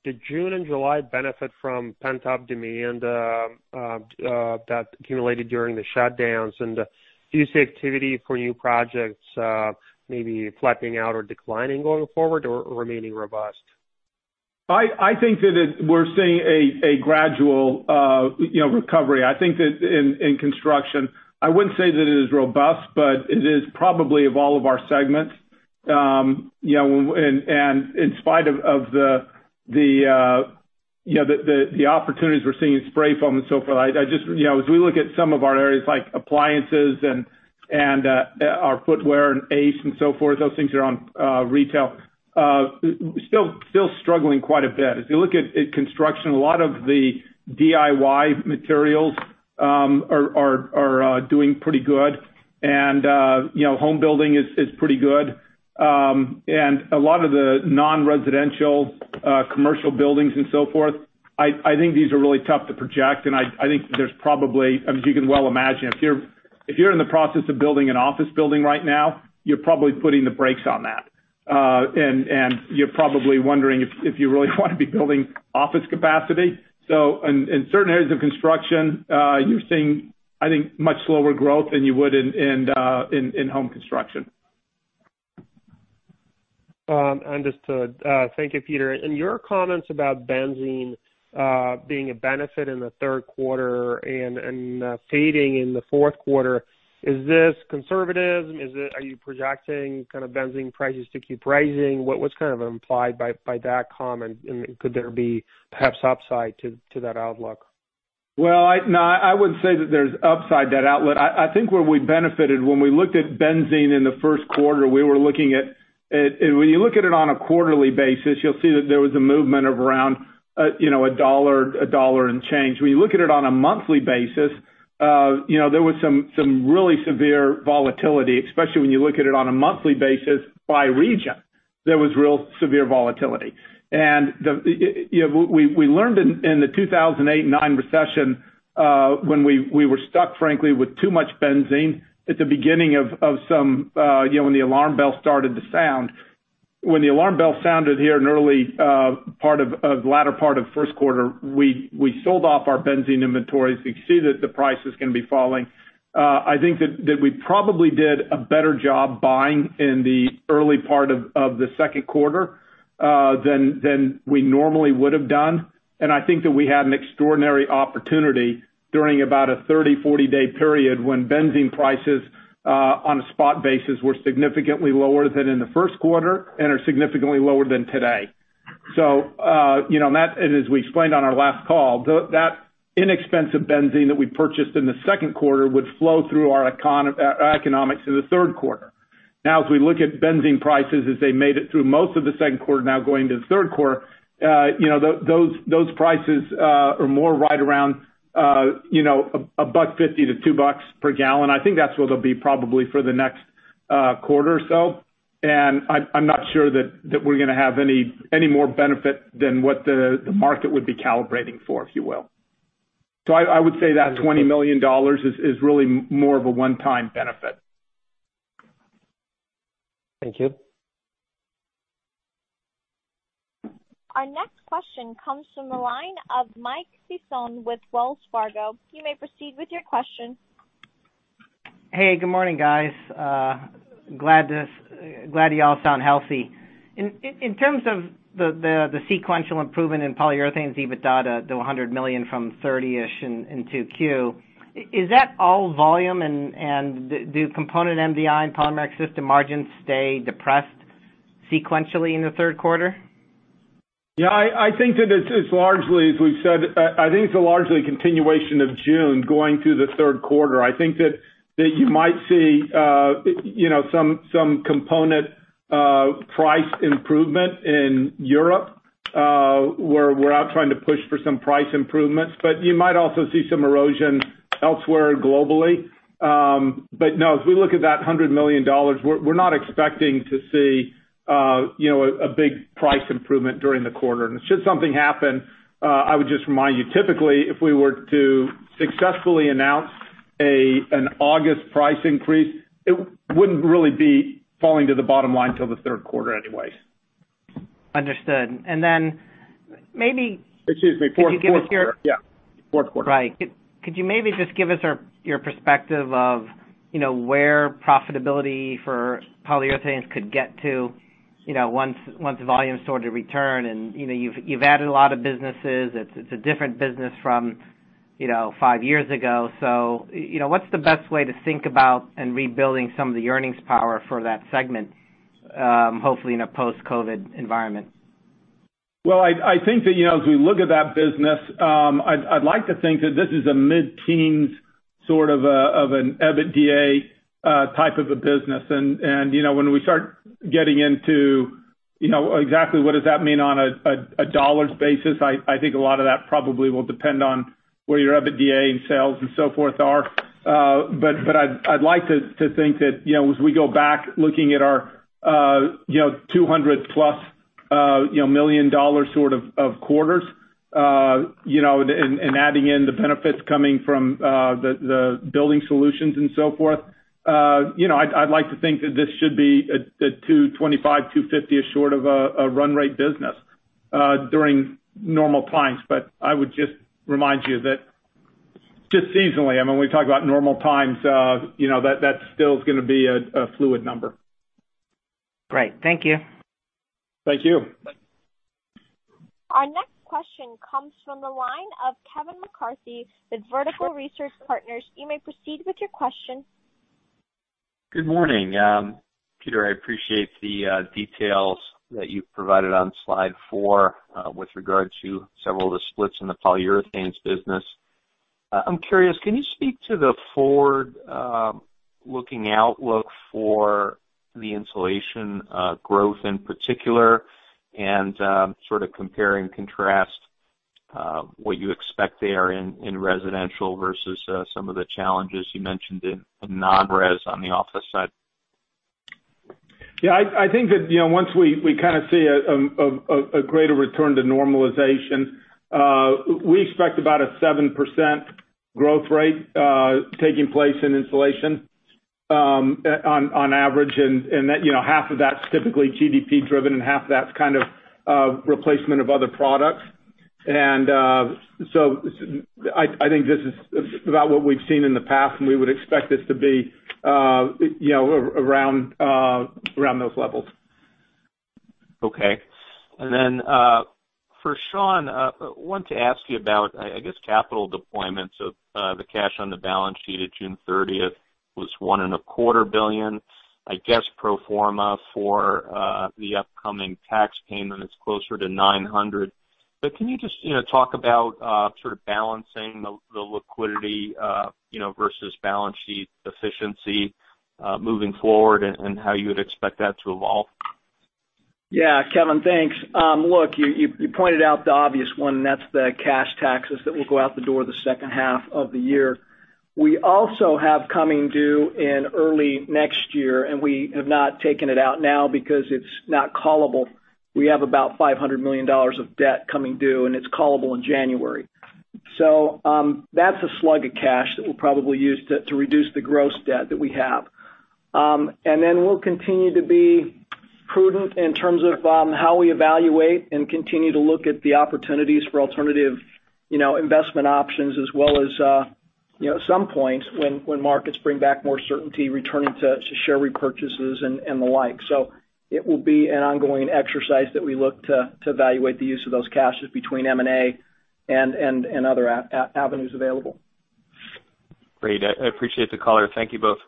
did June and July benefit from pent-up demand that accumulated during the shutdowns? Do you see activity for new projects maybe flattening out or declining going forward or remaining robust?
I think that we're seeing a gradual recovery. I think that in construction, I wouldn't say that it is robust, but it is probably of all of our segments. In spite of the opportunities we're seeing in spray foam and so forth, as we look at some of our areas like appliances and our footwear and ACE and so forth, those things are on retail, still struggling quite a bit. If you look at construction, a lot of the DIY materials are doing pretty good, and home building is pretty good. A lot of the non-residential commercial buildings and so forth, I think these are really tough to project, and I think there's probably, as you can well imagine, if you're in the process of building an office building right now, you're probably putting the brakes on that. You're probably wondering if you really want to be building office capacity. In certain areas of construction, you're seeing, I think, much slower growth than you would in home construction.
Understood. Thank you, Peter. In your comments about benzene being a benefit in the third quarter and fading in the fourth quarter, is this conservative? Are you projecting kind of benzene prices to keep rising? What's kind of implied by that comment? Could there be perhaps upside to that outlook?
Well, no, I wouldn't say that there's upside to that outlet. I think where we benefited when we looked at benzene in the first quarter, when you look at it on a quarterly basis, you'll see that there was a movement of around a dollar and change. When you look at it on a monthly basis, there was some really severe volatility, especially when you look at it on a monthly basis by region. There was real severe volatility. We learned in the 2008 and 2009 recession, when we were stuck, frankly, with too much benzene at the beginning of when the alarm bell started to sound. When the alarm bell sounded here in the latter part of the first quarter, we sold off our benzene inventories. We could see that the price was going to be falling. I think that we probably did a better job buying in the early part of the second quarter than we normally would have done. I think that we had an extraordinary opportunity during about a 30-40 day period when benzene prices on a spot basis were significantly lower than in the first quarter and are significantly lower than today. As we explained on our last call, that inexpensive benzene that we purchased in the second quarter would flow through our economics to the third quarter. As we look at benzene prices as they made it through most of the second quarter now going to the third quarter, those prices are more right around $1.50-$2 per gallon. I think that's where they'll be probably for the next quarter or so. I'm not sure that we're going to have any more benefit than what the market would be calibrating for, if you will. I would say that $20 million is really more of a one-time benefit.
Thank you.
Our next question comes from the line of Mike Sison with Wells Fargo. You may proceed with your question.
Hey, good morning, guys. Glad you all sound healthy. In terms of the sequential improvement in Polyurethanes EBITDA to the $100 million from $30-ish in 2Q, is that all volume? Do component MDI and polymeric system margins stay depressed sequentially in the third quarter?
Yeah, I think it's largely a continuation of June going through the third quarter. I think that you might see some component price improvement in Europe, where we're out trying to push for some price improvements. You might also see some erosion elsewhere globally. No, as we look at that $100 million, we're not expecting to see a big price improvement during the quarter. Should something happen, I would just remind you, typically, if we were to successfully announce an August price increase, it wouldn't really be falling to the bottom line till the third quarter anyways.
Understood.
Excuse me, fourth quarter. Yeah. Fourth quarter.
Right. Could you maybe just give us your perspective of where profitability for Polyurethanes could get to, once volumes sort of return? You've added a lot of businesses. It's a different business from five years ago. What's the best way to think about in rebuilding some of the earnings power for that segment, hopefully in a post-COVID environment?
I think that as we look at that business, I'd like to think that this is a mid-teens sort of an EBITDA type of a business. When we start getting into exactly what does that mean on a dollars basis, I think a lot of that probably will depend on where your EBITDA and sales and so forth are. I'd like to think that as we go back looking at our $200+ million sort of quarters, and adding in the benefits coming from the Huntsman Building Solutions and so forth, I'd like to think that this should be a $225 million-$250 million-ish sort of a run rate business during normal times. I would just remind you that just seasonally, when we talk about normal times, that still is going to be a fluid number.
Great. Thank you.
Thank you.
Our next question comes from the line of Kevin McCarthy with Vertical Research Partners. You may proceed with your question.
Good morning. Peter, I appreciate the details that you provided on slide four with regard to several of the splits in the Polyurethanes business. I'm curious, can you speak to the forward-looking outlook for the insulation growth in particular, and sort of compare and contrast what you expect there in residential versus some of the challenges you mentioned in non-res on the office side?
Yeah, I think that once we kind of see a greater return to normalization, we expect about a 7% growth rate taking place in insulation on average, and half of that's typically GDP-driven, and half of that's kind of replacement of other products. I think this is about what we've seen in the past, and we would expect this to be around those levels.
Okay. For Sean, I wanted to ask you about, I guess, capital deployment. The cash on the balance sheet at June 30th was $1.25 billion. I guess pro forma for the upcoming tax payment is closer to $900 million. Can you just talk about sort of balancing the liquidity versus balance sheet efficiency moving forward, and how you would expect that to evolve?
Kevin, thanks. You pointed out the obvious one, that's the cash taxes that will go out the door the second half of the year. We also have coming due in early next year. We have not taken it out now because it's not callable. We have about $500 million of debt coming due. It's callable in January. That's a slug of cash that we'll probably use to reduce the gross debt that we have. We'll continue to be prudent in terms of how we evaluate and continue to look at the opportunities for alternative investment options as well as, at some point, when markets bring back more certainty, returning to share repurchases and the like. It will be an ongoing exercise that we look to evaluate the use of those cash between M&A and other avenues available.
Great. I appreciate the color. Thank you both.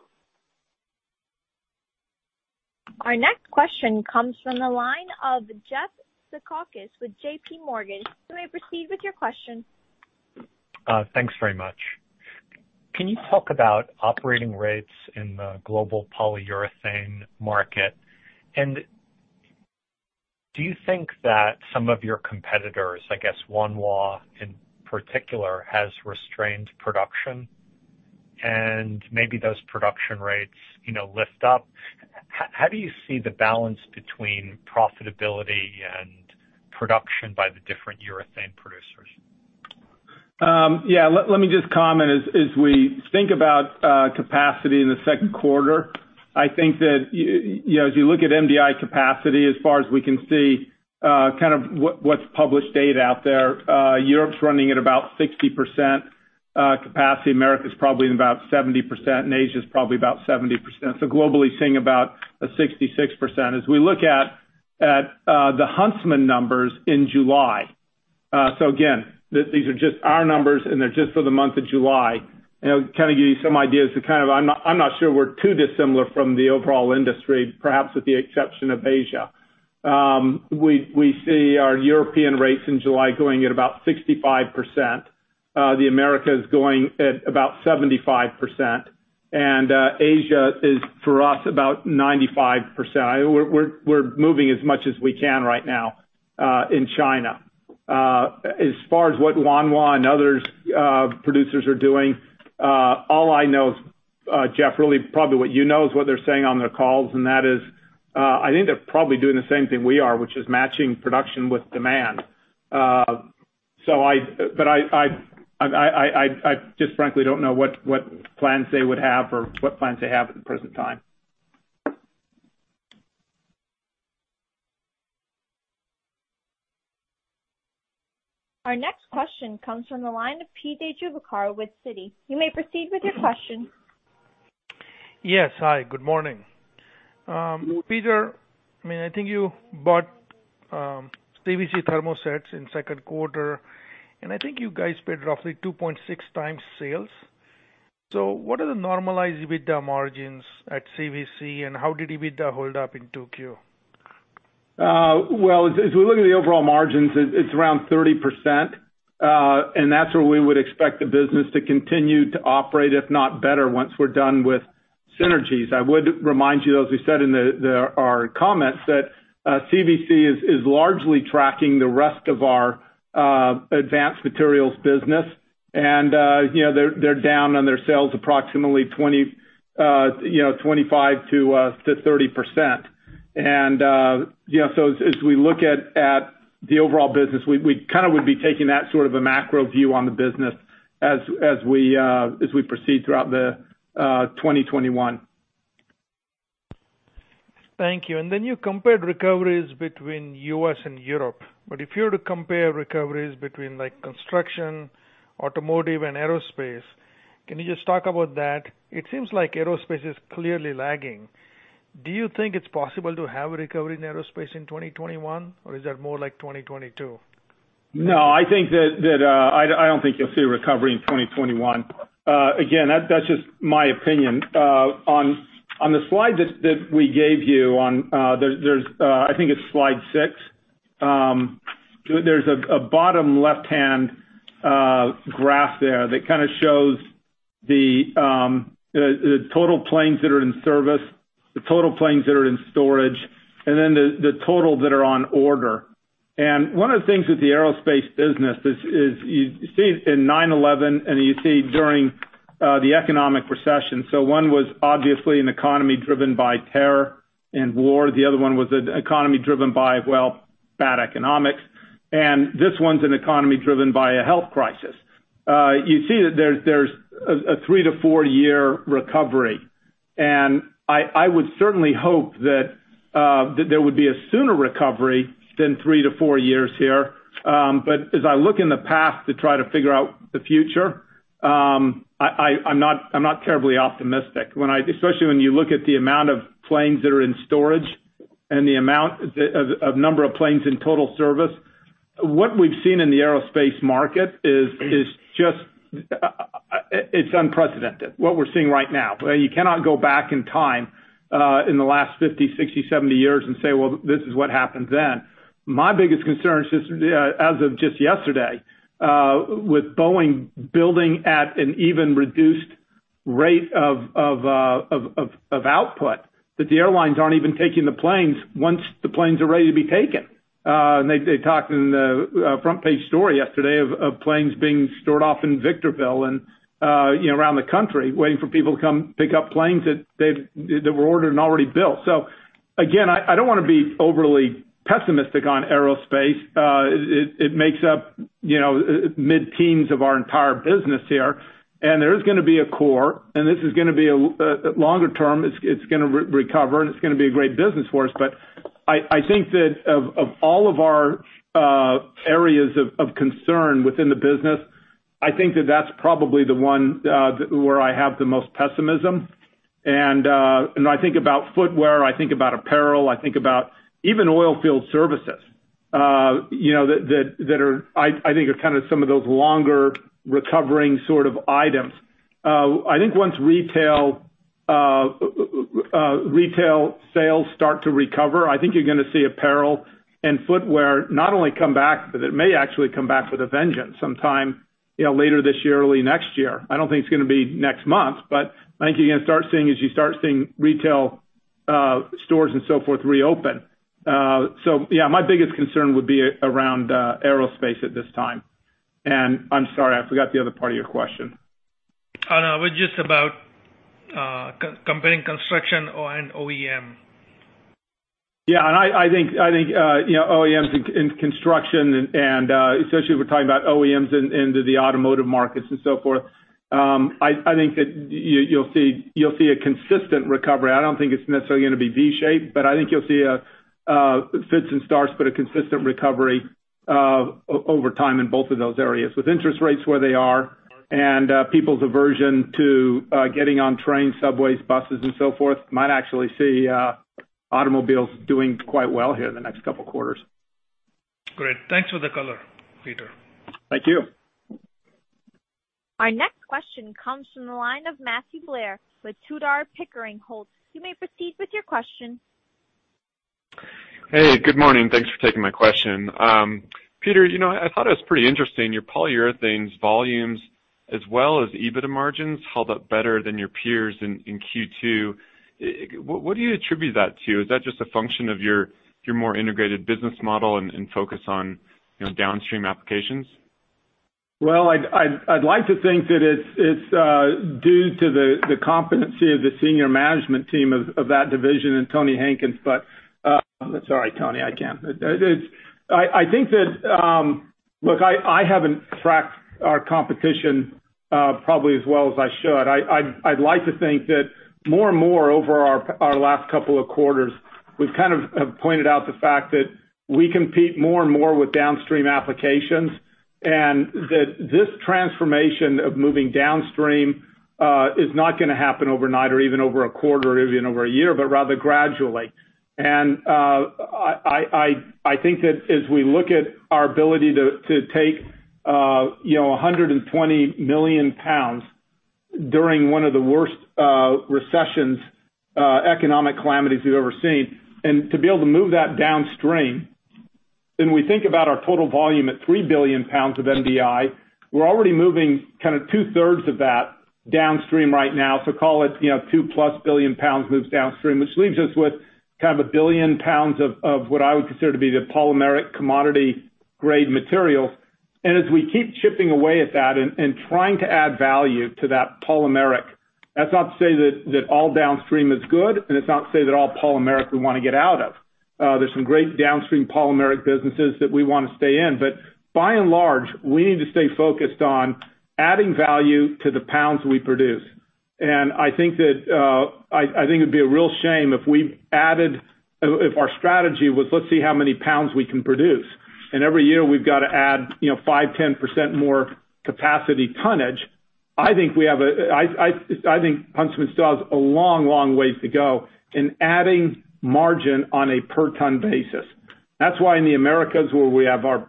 Our next question comes from the line of Jeff Zekauskas with JPMorgan. You may proceed with your question.
Thanks very much. Can you talk about operating rates in the global polyurethane market? Do you think that some of your competitors, I guess, Wanhua in particular, has restrained production, and maybe those production rates lift up? How do you see the balance between profitability and production by the different urethane producers?
Let me just comment. As we think about capacity in the second quarter, I think that as you look at MDI capacity as far as we can see what's published data out there, Europe's running at about 60% capacity, America's probably in about 70%, and Asia is probably about 70%. Globally, seeing about a 66%. As we look at the Huntsman numbers in July. Again, these are just our numbers, and they're just for the month of July. It will give you some ideas. I'm not sure we're too dissimilar from the overall industry, perhaps with the exception of Asia. We see our European rates in July going at about 65%. The Americas going at about 75%, and Asia is, for us, about 95%. We're moving as much as we can right now in China. As far as what Wanhua and other producers are doing, all I know is, Jeff, really probably what you know, is what they're saying on their calls, and that is, I think they're probably doing the same thing we are, which is matching production with demand. I just frankly don't know what plans they would have or what plans they have at the present time.
Our next question comes from the line of PJ Juvekar with Citi. You may proceed with your question.
Yes. Hi, good morning. Peter, I think you bought CVC Thermoset Specialties in second quarter, I think you guys paid roughly 2.6x sales. What are the normalized EBITDA margins at CVC, and how did EBITDA hold up in 2Q?
Well, as we look at the overall margins, it's around 30%, and that's where we would expect the business to continue to operate, if not better, once we're done with synergies. I would remind you, though, as we said in our comments, that CVC is largely tracking the rest of our Advanced Materials business. They're down on their sales approximately 25%-30%. As we look at the overall business, we kind of would be taking that sort of a macro view on the business as we proceed throughout the 2021.
Thank you. You compared recoveries between U.S. and Europe. If you were to compare recoveries between construction, automotive, and aerospace, can you just talk about that? It seems like aerospace is clearly lagging. Do you think it's possible to have a recovery in aerospace in 2021, or is that more like 2022?
No, I don't think you'll see a recovery in 2021. Again, that's just my opinion. On the slide that we gave you on, I think it's slide six. There's a bottom left-hand graph there that kind of shows the total planes that are in service, the total planes that are in storage, and then the total that are on order. One of the things with the aerospace business is you see in 9/11 and you see during the economic recession. One was obviously an economy driven by terror and war. The other one was an economy driven by, well, bad economics. This one's an economy driven by a health crisis. You see that there's a three to four-year recovery, and I would certainly hope that there would be a sooner recovery than three to four years here. As I look in the past to try to figure out the future, I'm not terribly optimistic. Especially when you look at the amount of planes that are in storage and the amount of number of planes in total service. What we've seen in the aerospace market is just unprecedented, what we're seeing right now. You cannot go back in time, in the last 50, 60, 70 years and say, "Well, this is what happened then." My biggest concern as of just yesterday, with Boeing building at an even reduced rate of output, that the airlines aren't even taking the planes once the planes are ready to be taken. They talked in the front page story yesterday of planes being stored off in Victorville and around the country, waiting for people to come pick up planes that were ordered and already built. Again, I don't want to be overly pessimistic on aerospace. It makes up mid-teens of our entire business here, and there is going to be a core, and this is going to be a longer term. It's going to recover, and it's going to be a great business for us. I think that of all of our areas of concern within the business, I think that that's probably the one where I have the most pessimism. I think about footwear, I think about apparel, I think about even oil field services that I think are kind of some of those longer recovering sort of items. I think once retail sales start to recover, I think you're going to see apparel and footwear not only come back, but it may actually come back with a vengeance sometime later this year, early next year. I don't think it's going to be next month. I think you're going to start seeing as you start seeing retail stores and so forth reopen. Yeah, my biggest concern would be around aerospace at this time. I'm sorry, I forgot the other part of your question.
Oh, no. It was just about comparing construction and OEM.
I think OEMs in construction and especially if we're talking about OEMs into the automotive markets and so forth, I think that you'll see a consistent recovery. I don't think it's necessarily going to be V-shaped, but I think you'll see fits and starts, but a consistent recovery over time in both of those areas. With interest rates where they are and people's aversion to getting on trains, subways, buses, and so forth, might actually see automobiles doing quite well here in the next couple of quarters.
Great. Thanks for the color, Peter.
Thank you.
Our next question comes from the line of Matthew Blair with Tudor, Pickering, Holt. You may proceed with your question.
Hey, good morning. Thanks for taking my question. Peter, I thought it was pretty interesting, your Polyurethanes volumes as well as EBITDA margins held up better than your peers in Q2. What do you attribute that to? Is that just a function of your more integrated business model and focus on downstream applications?
Well, I'd like to think that it's due to the competency of the senior management team of that division and Tony Hankins. Sorry, Tony, I can't. Look, I haven't tracked our competition probably as well as I should. I'd like to think that more and more over our last couple of quarters, we've kind of pointed out the fact that we compete more and more with downstream applications, and that this transformation of moving downstream is not going to happen overnight or even over a quarter or even over a year, but rather gradually. I think that as we look at our ability to take 120 million pounds during one of the worst recessions, economic calamities we've ever seen, and to be able to move that downstream, and we think about our total volume at 3 billion pounds of MDI, we're already moving two-thirds of that downstream right now. Call it, 2+ billion pounds moves downstream, which leaves us with 1 billion pounds of what I would consider to be the polymeric commodity grade material. As we keep chipping away at that and trying to add value to that polymeric, that's not to say that all downstream is good, and it's not to say they're all polymeric we want to get out of. There's some great downstream polymeric businesses that we want to stay in. By and large, we need to stay focused on adding value to the pounds we produce. I think it'd be a real shame if our strategy was, let's see how many pounds we can produce. Every year we've got to add 5%, 10% more capacity tonnage. I think Huntsman still has a long ways to go in adding margin on a per ton basis. That's why in the Americas, where we have our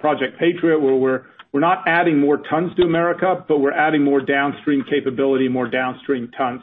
Project Patriot, where we're not adding more tons to America, but we're adding more downstream capability, more downstream tons.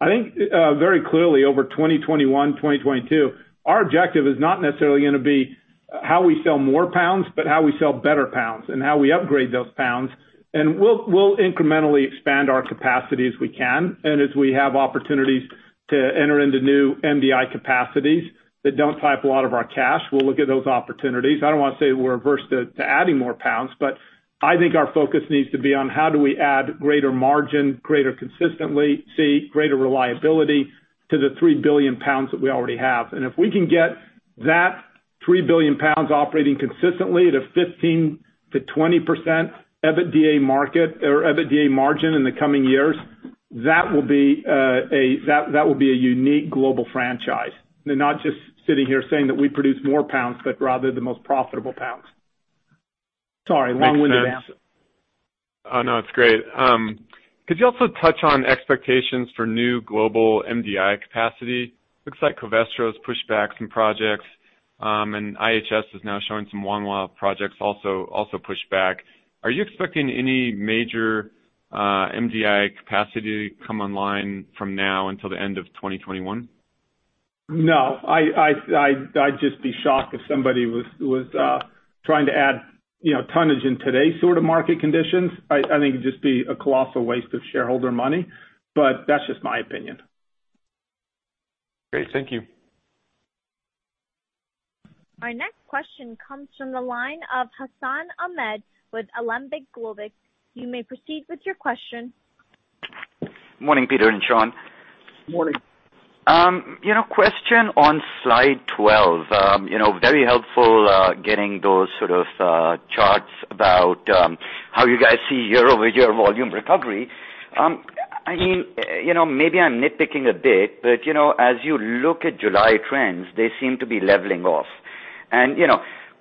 I think very clearly over 2021, 2022, our objective is not necessarily going to be how we sell more pounds, but how we sell better pounds, and how we upgrade those pounds. We'll incrementally expand our capacity as we can. As we have opportunities to enter into new MDI capacities that don't tie up a lot of our cash, we'll look at those opportunities. I don't want to say we're averse to adding more pounds, but I think our focus needs to be on how do we add greater margin, greater consistency, greater reliability to the 3 billion pounds that we already have. If we can get that 3 billion pounds operating consistently to 15%-20% EBITDA margin in the coming years, that will be a unique global franchise. Not just sitting here saying that we produce more pounds, but rather the most profitable pounds. Sorry, long-winded answer.
Makes sense. No, it's great. Could you also touch on expectations for new global MDI capacity? Looks like Covestro's pushed back some projects, and IHS is now showing some Wanhua projects also pushed back. Are you expecting any major MDI capacity to come online from now until the end of 2021?
No. I'd just be shocked if somebody was trying to add tonnage in today's sort of market conditions. I think it'd just be a colossal waste of shareholder money. That's just my opinion.
Great. Thank you.
Our next question comes from the line of Hassan Ahmed with Alembic Global. You may proceed with your question.
Morning, Peter and Sean.
Morning.
Question on slide 12. Very helpful getting those sort of charts about how you guys see year-over-year volume recovery. Maybe I'm nitpicking a bit, but as you look at July trends, they seem to be leveling off.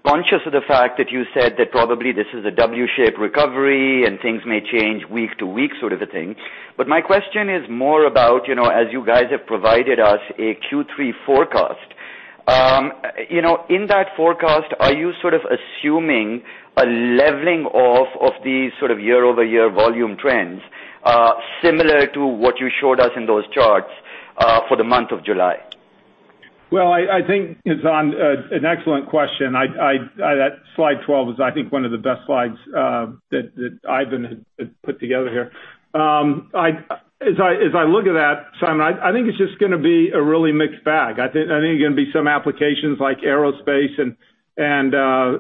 Conscious of the fact that you said that probably this is a W-shape recovery and things may change week to week sort of a thing, but my question is more about, as you guys have provided us a Q3 forecast. In that forecast, are you sort of assuming a leveling off of these sort of year-over-year volume trends similar to what you showed us in those charts for the month of July?
Well, I think it's an excellent question. Slide 12 is, I think, one of the best slides that Ivan had put together here. As I look at that, Hassan, I think it's just going to be a really mixed bag. I think there are going to be some applications like aerospace and that are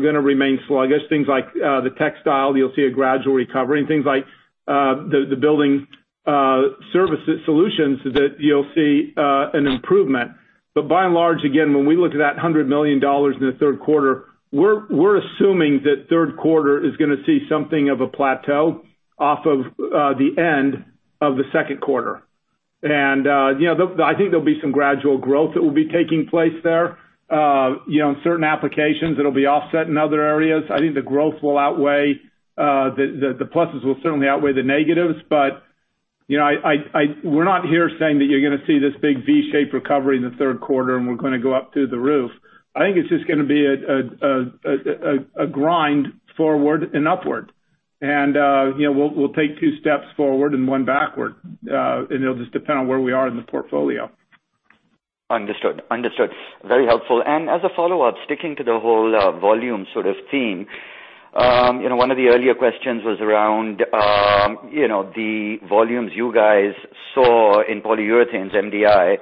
going to remain sluggish. Things like the textile, you'll see a gradual recovery, and things like Huntsman Building Solutions that you'll see an improvement. By and large, again, when we look at that $100 million in the third quarter, we're assuming that third quarter is going to see something of a plateau off of the end of the second quarter. I think there'll be some gradual growth that will be taking place there. In certain applications, it'll be offset in other areas. The pluses will certainly outweigh the negatives. We're not here saying that you're going to see this big V-shaped recovery in the third quarter, and we're going to go up through the roof. I think it's just going to be a grind forward and upward. We'll take two steps forward and one backward, and it'll just depend on where we are in the portfolio.
Understood. Very helpful. As a follow-up, sticking to the whole volume sort of theme, one of the earlier questions was around the volumes you guys saw in Polyurethanes, MDI,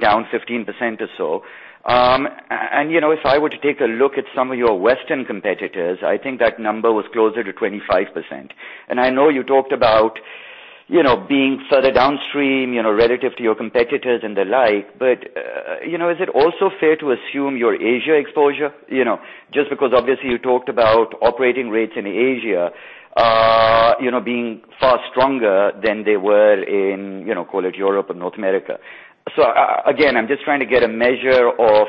down 15% or so. If I were to take a look at some of your Western competitors, I think that number was closer to 25%. I know you talked about being further downstream relative to your competitors and the like, but is it also fair to assume your Asia exposure? Just because obviously you talked about operating rates in Asia being far stronger than they were in, call it Europe or North America. Again, I'm just trying to get a measure of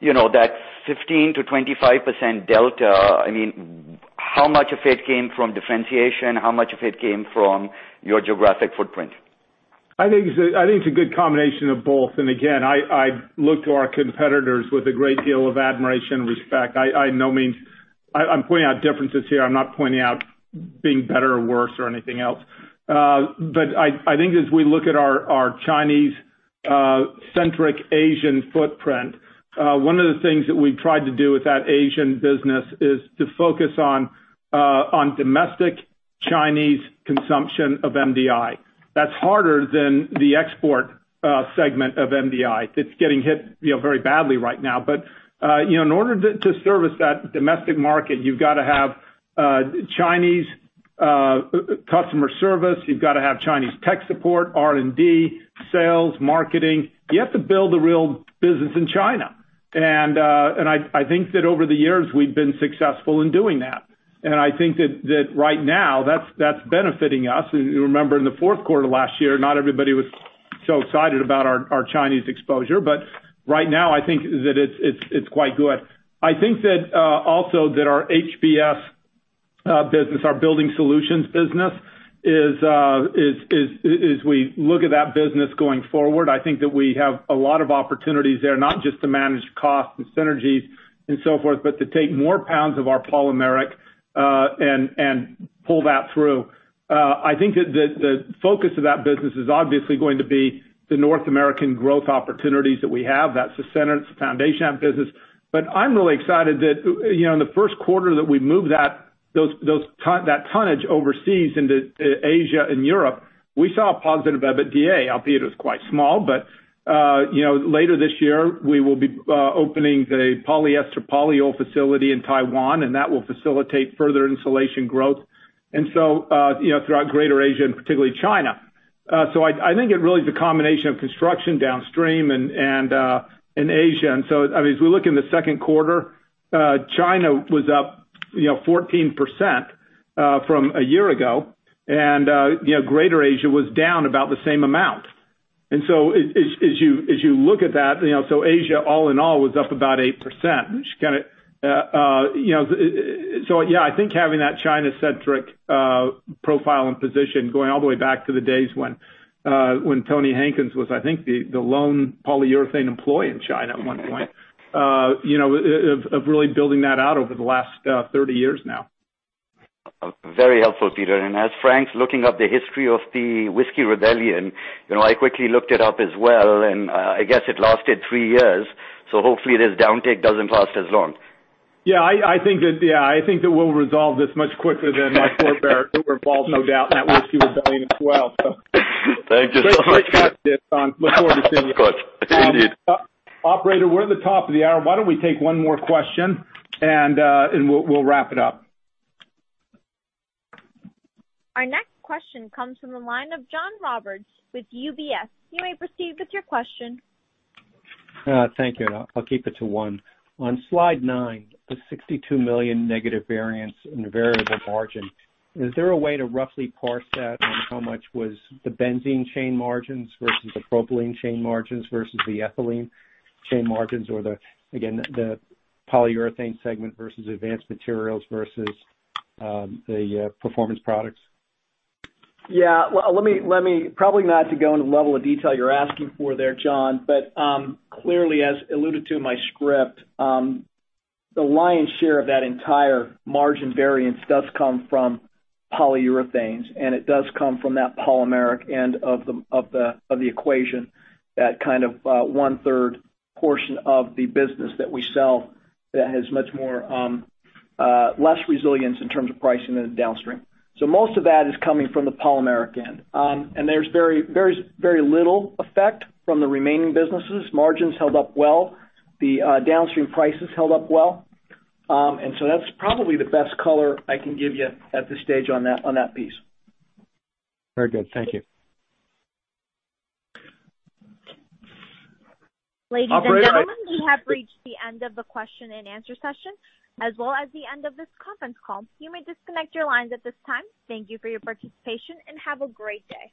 that 15%-25% delta. How much of it came from differentiation? How much of it came from your geographic footprint?
I think it's a good combination of both. Again, I look to our competitors with a great deal of admiration and respect. I'm pointing out differences here. I'm not pointing out being better or worse or anything else. I think as we look at our Chinese-centric Asian footprint, one of the things that we've tried to do with that Asian business is to focus on domestic Chinese consumption of MDI. That's harder than the export segment of MDI that's getting hit very badly right now. In order to service that domestic market, you've got to have Chinese customer service, you've got to have Chinese tech support, R&D, sales, marketing. You have to build a real business in China. I think that over the years, we've been successful in doing that. I think that right now that's benefiting us. You remember in the fourth quarter last year, not everybody was so excited about our Chinese exposure, but right now I think that it's quite good. I think that also that our HBS business, our Building Solutions business is, as we look at that business going forward, I think that we have a lot of opportunities there, not just to manage costs and synergies and so forth, but to take more pounds of our polymeric and pull that through. I think that the focus of that business is obviously going to be the North American growth opportunities that we have. That's the center, it's the foundation of business. I'm really excited that in the first quarter that we moved that tonnage overseas into Asia and Europe, we saw a positive EBITDA, albeit it was quite small, but later this year, we will be opening the polyester polyol facility in Taiwan, that will facilitate further insulation growth, throughout greater Asia, and particularly China. I think it really is a combination of construction downstream and in Asia. As we look in the second quarter, China was up 14% from a year ago, and greater Asia was down about the same amount. As you look at that, Asia all in all was up about 8%. I think having that China-centric profile and position going all the way back to the days when Tony Hankins was, I think, the lone polyurethane employee in China at one point, of really building that out over the last 30 years now.
Very helpful, Peter. As Frank's looking up the history of the Whiskey Rebellion, I quickly looked it up as well. I guess it lasted three years. Hopefully this downtick doesn't last as long.
Yeah. I think that we'll resolve this much quicker than our forebearer, who were involved, no doubt, in that Whiskey Rebellion as well.
Thank you so much.
Greatly appreciate this, Hassan. Look forward to seeing you.
Of course. Indeed.
Operator, we're at the top of the hour. Why don't we take one more question, and we'll wrap it up.
Our next question comes from the line of John Roberts with UBS. You may proceed with your question.
Thank you. I'll keep it to one. On slide nine, the $62 million negative variance in the variable margin, is there a way to roughly parse that on how much was the benzene chain margins versus the propylene chain margins versus the ethylene chain margins or the, again, the Polyurethanes segment versus Advanced Materials versus the Performance Products?
Yeah. Probably not to go into the level of detail you're asking for there, John. Clearly, as alluded to in my script, the lion's share of that entire margin variance does come from Polyurethanes, and it does come from that polymeric end of the equation, that kind of one-third portion of the business that we sell that has much more less resilience in terms of pricing than the downstream. Most of that is coming from the polymeric end. There's very little effect from the remaining businesses. Margins held up well. The downstream prices held up well. That's probably the best color I can give you at this stage on that piece.
Very good. Thank you.
Ladies and gentlemen, we have reached the end of the question-and answer-session as well as the end of this conference call. You may disconnect your lines at this time. Thank you for your participation, and have a great day.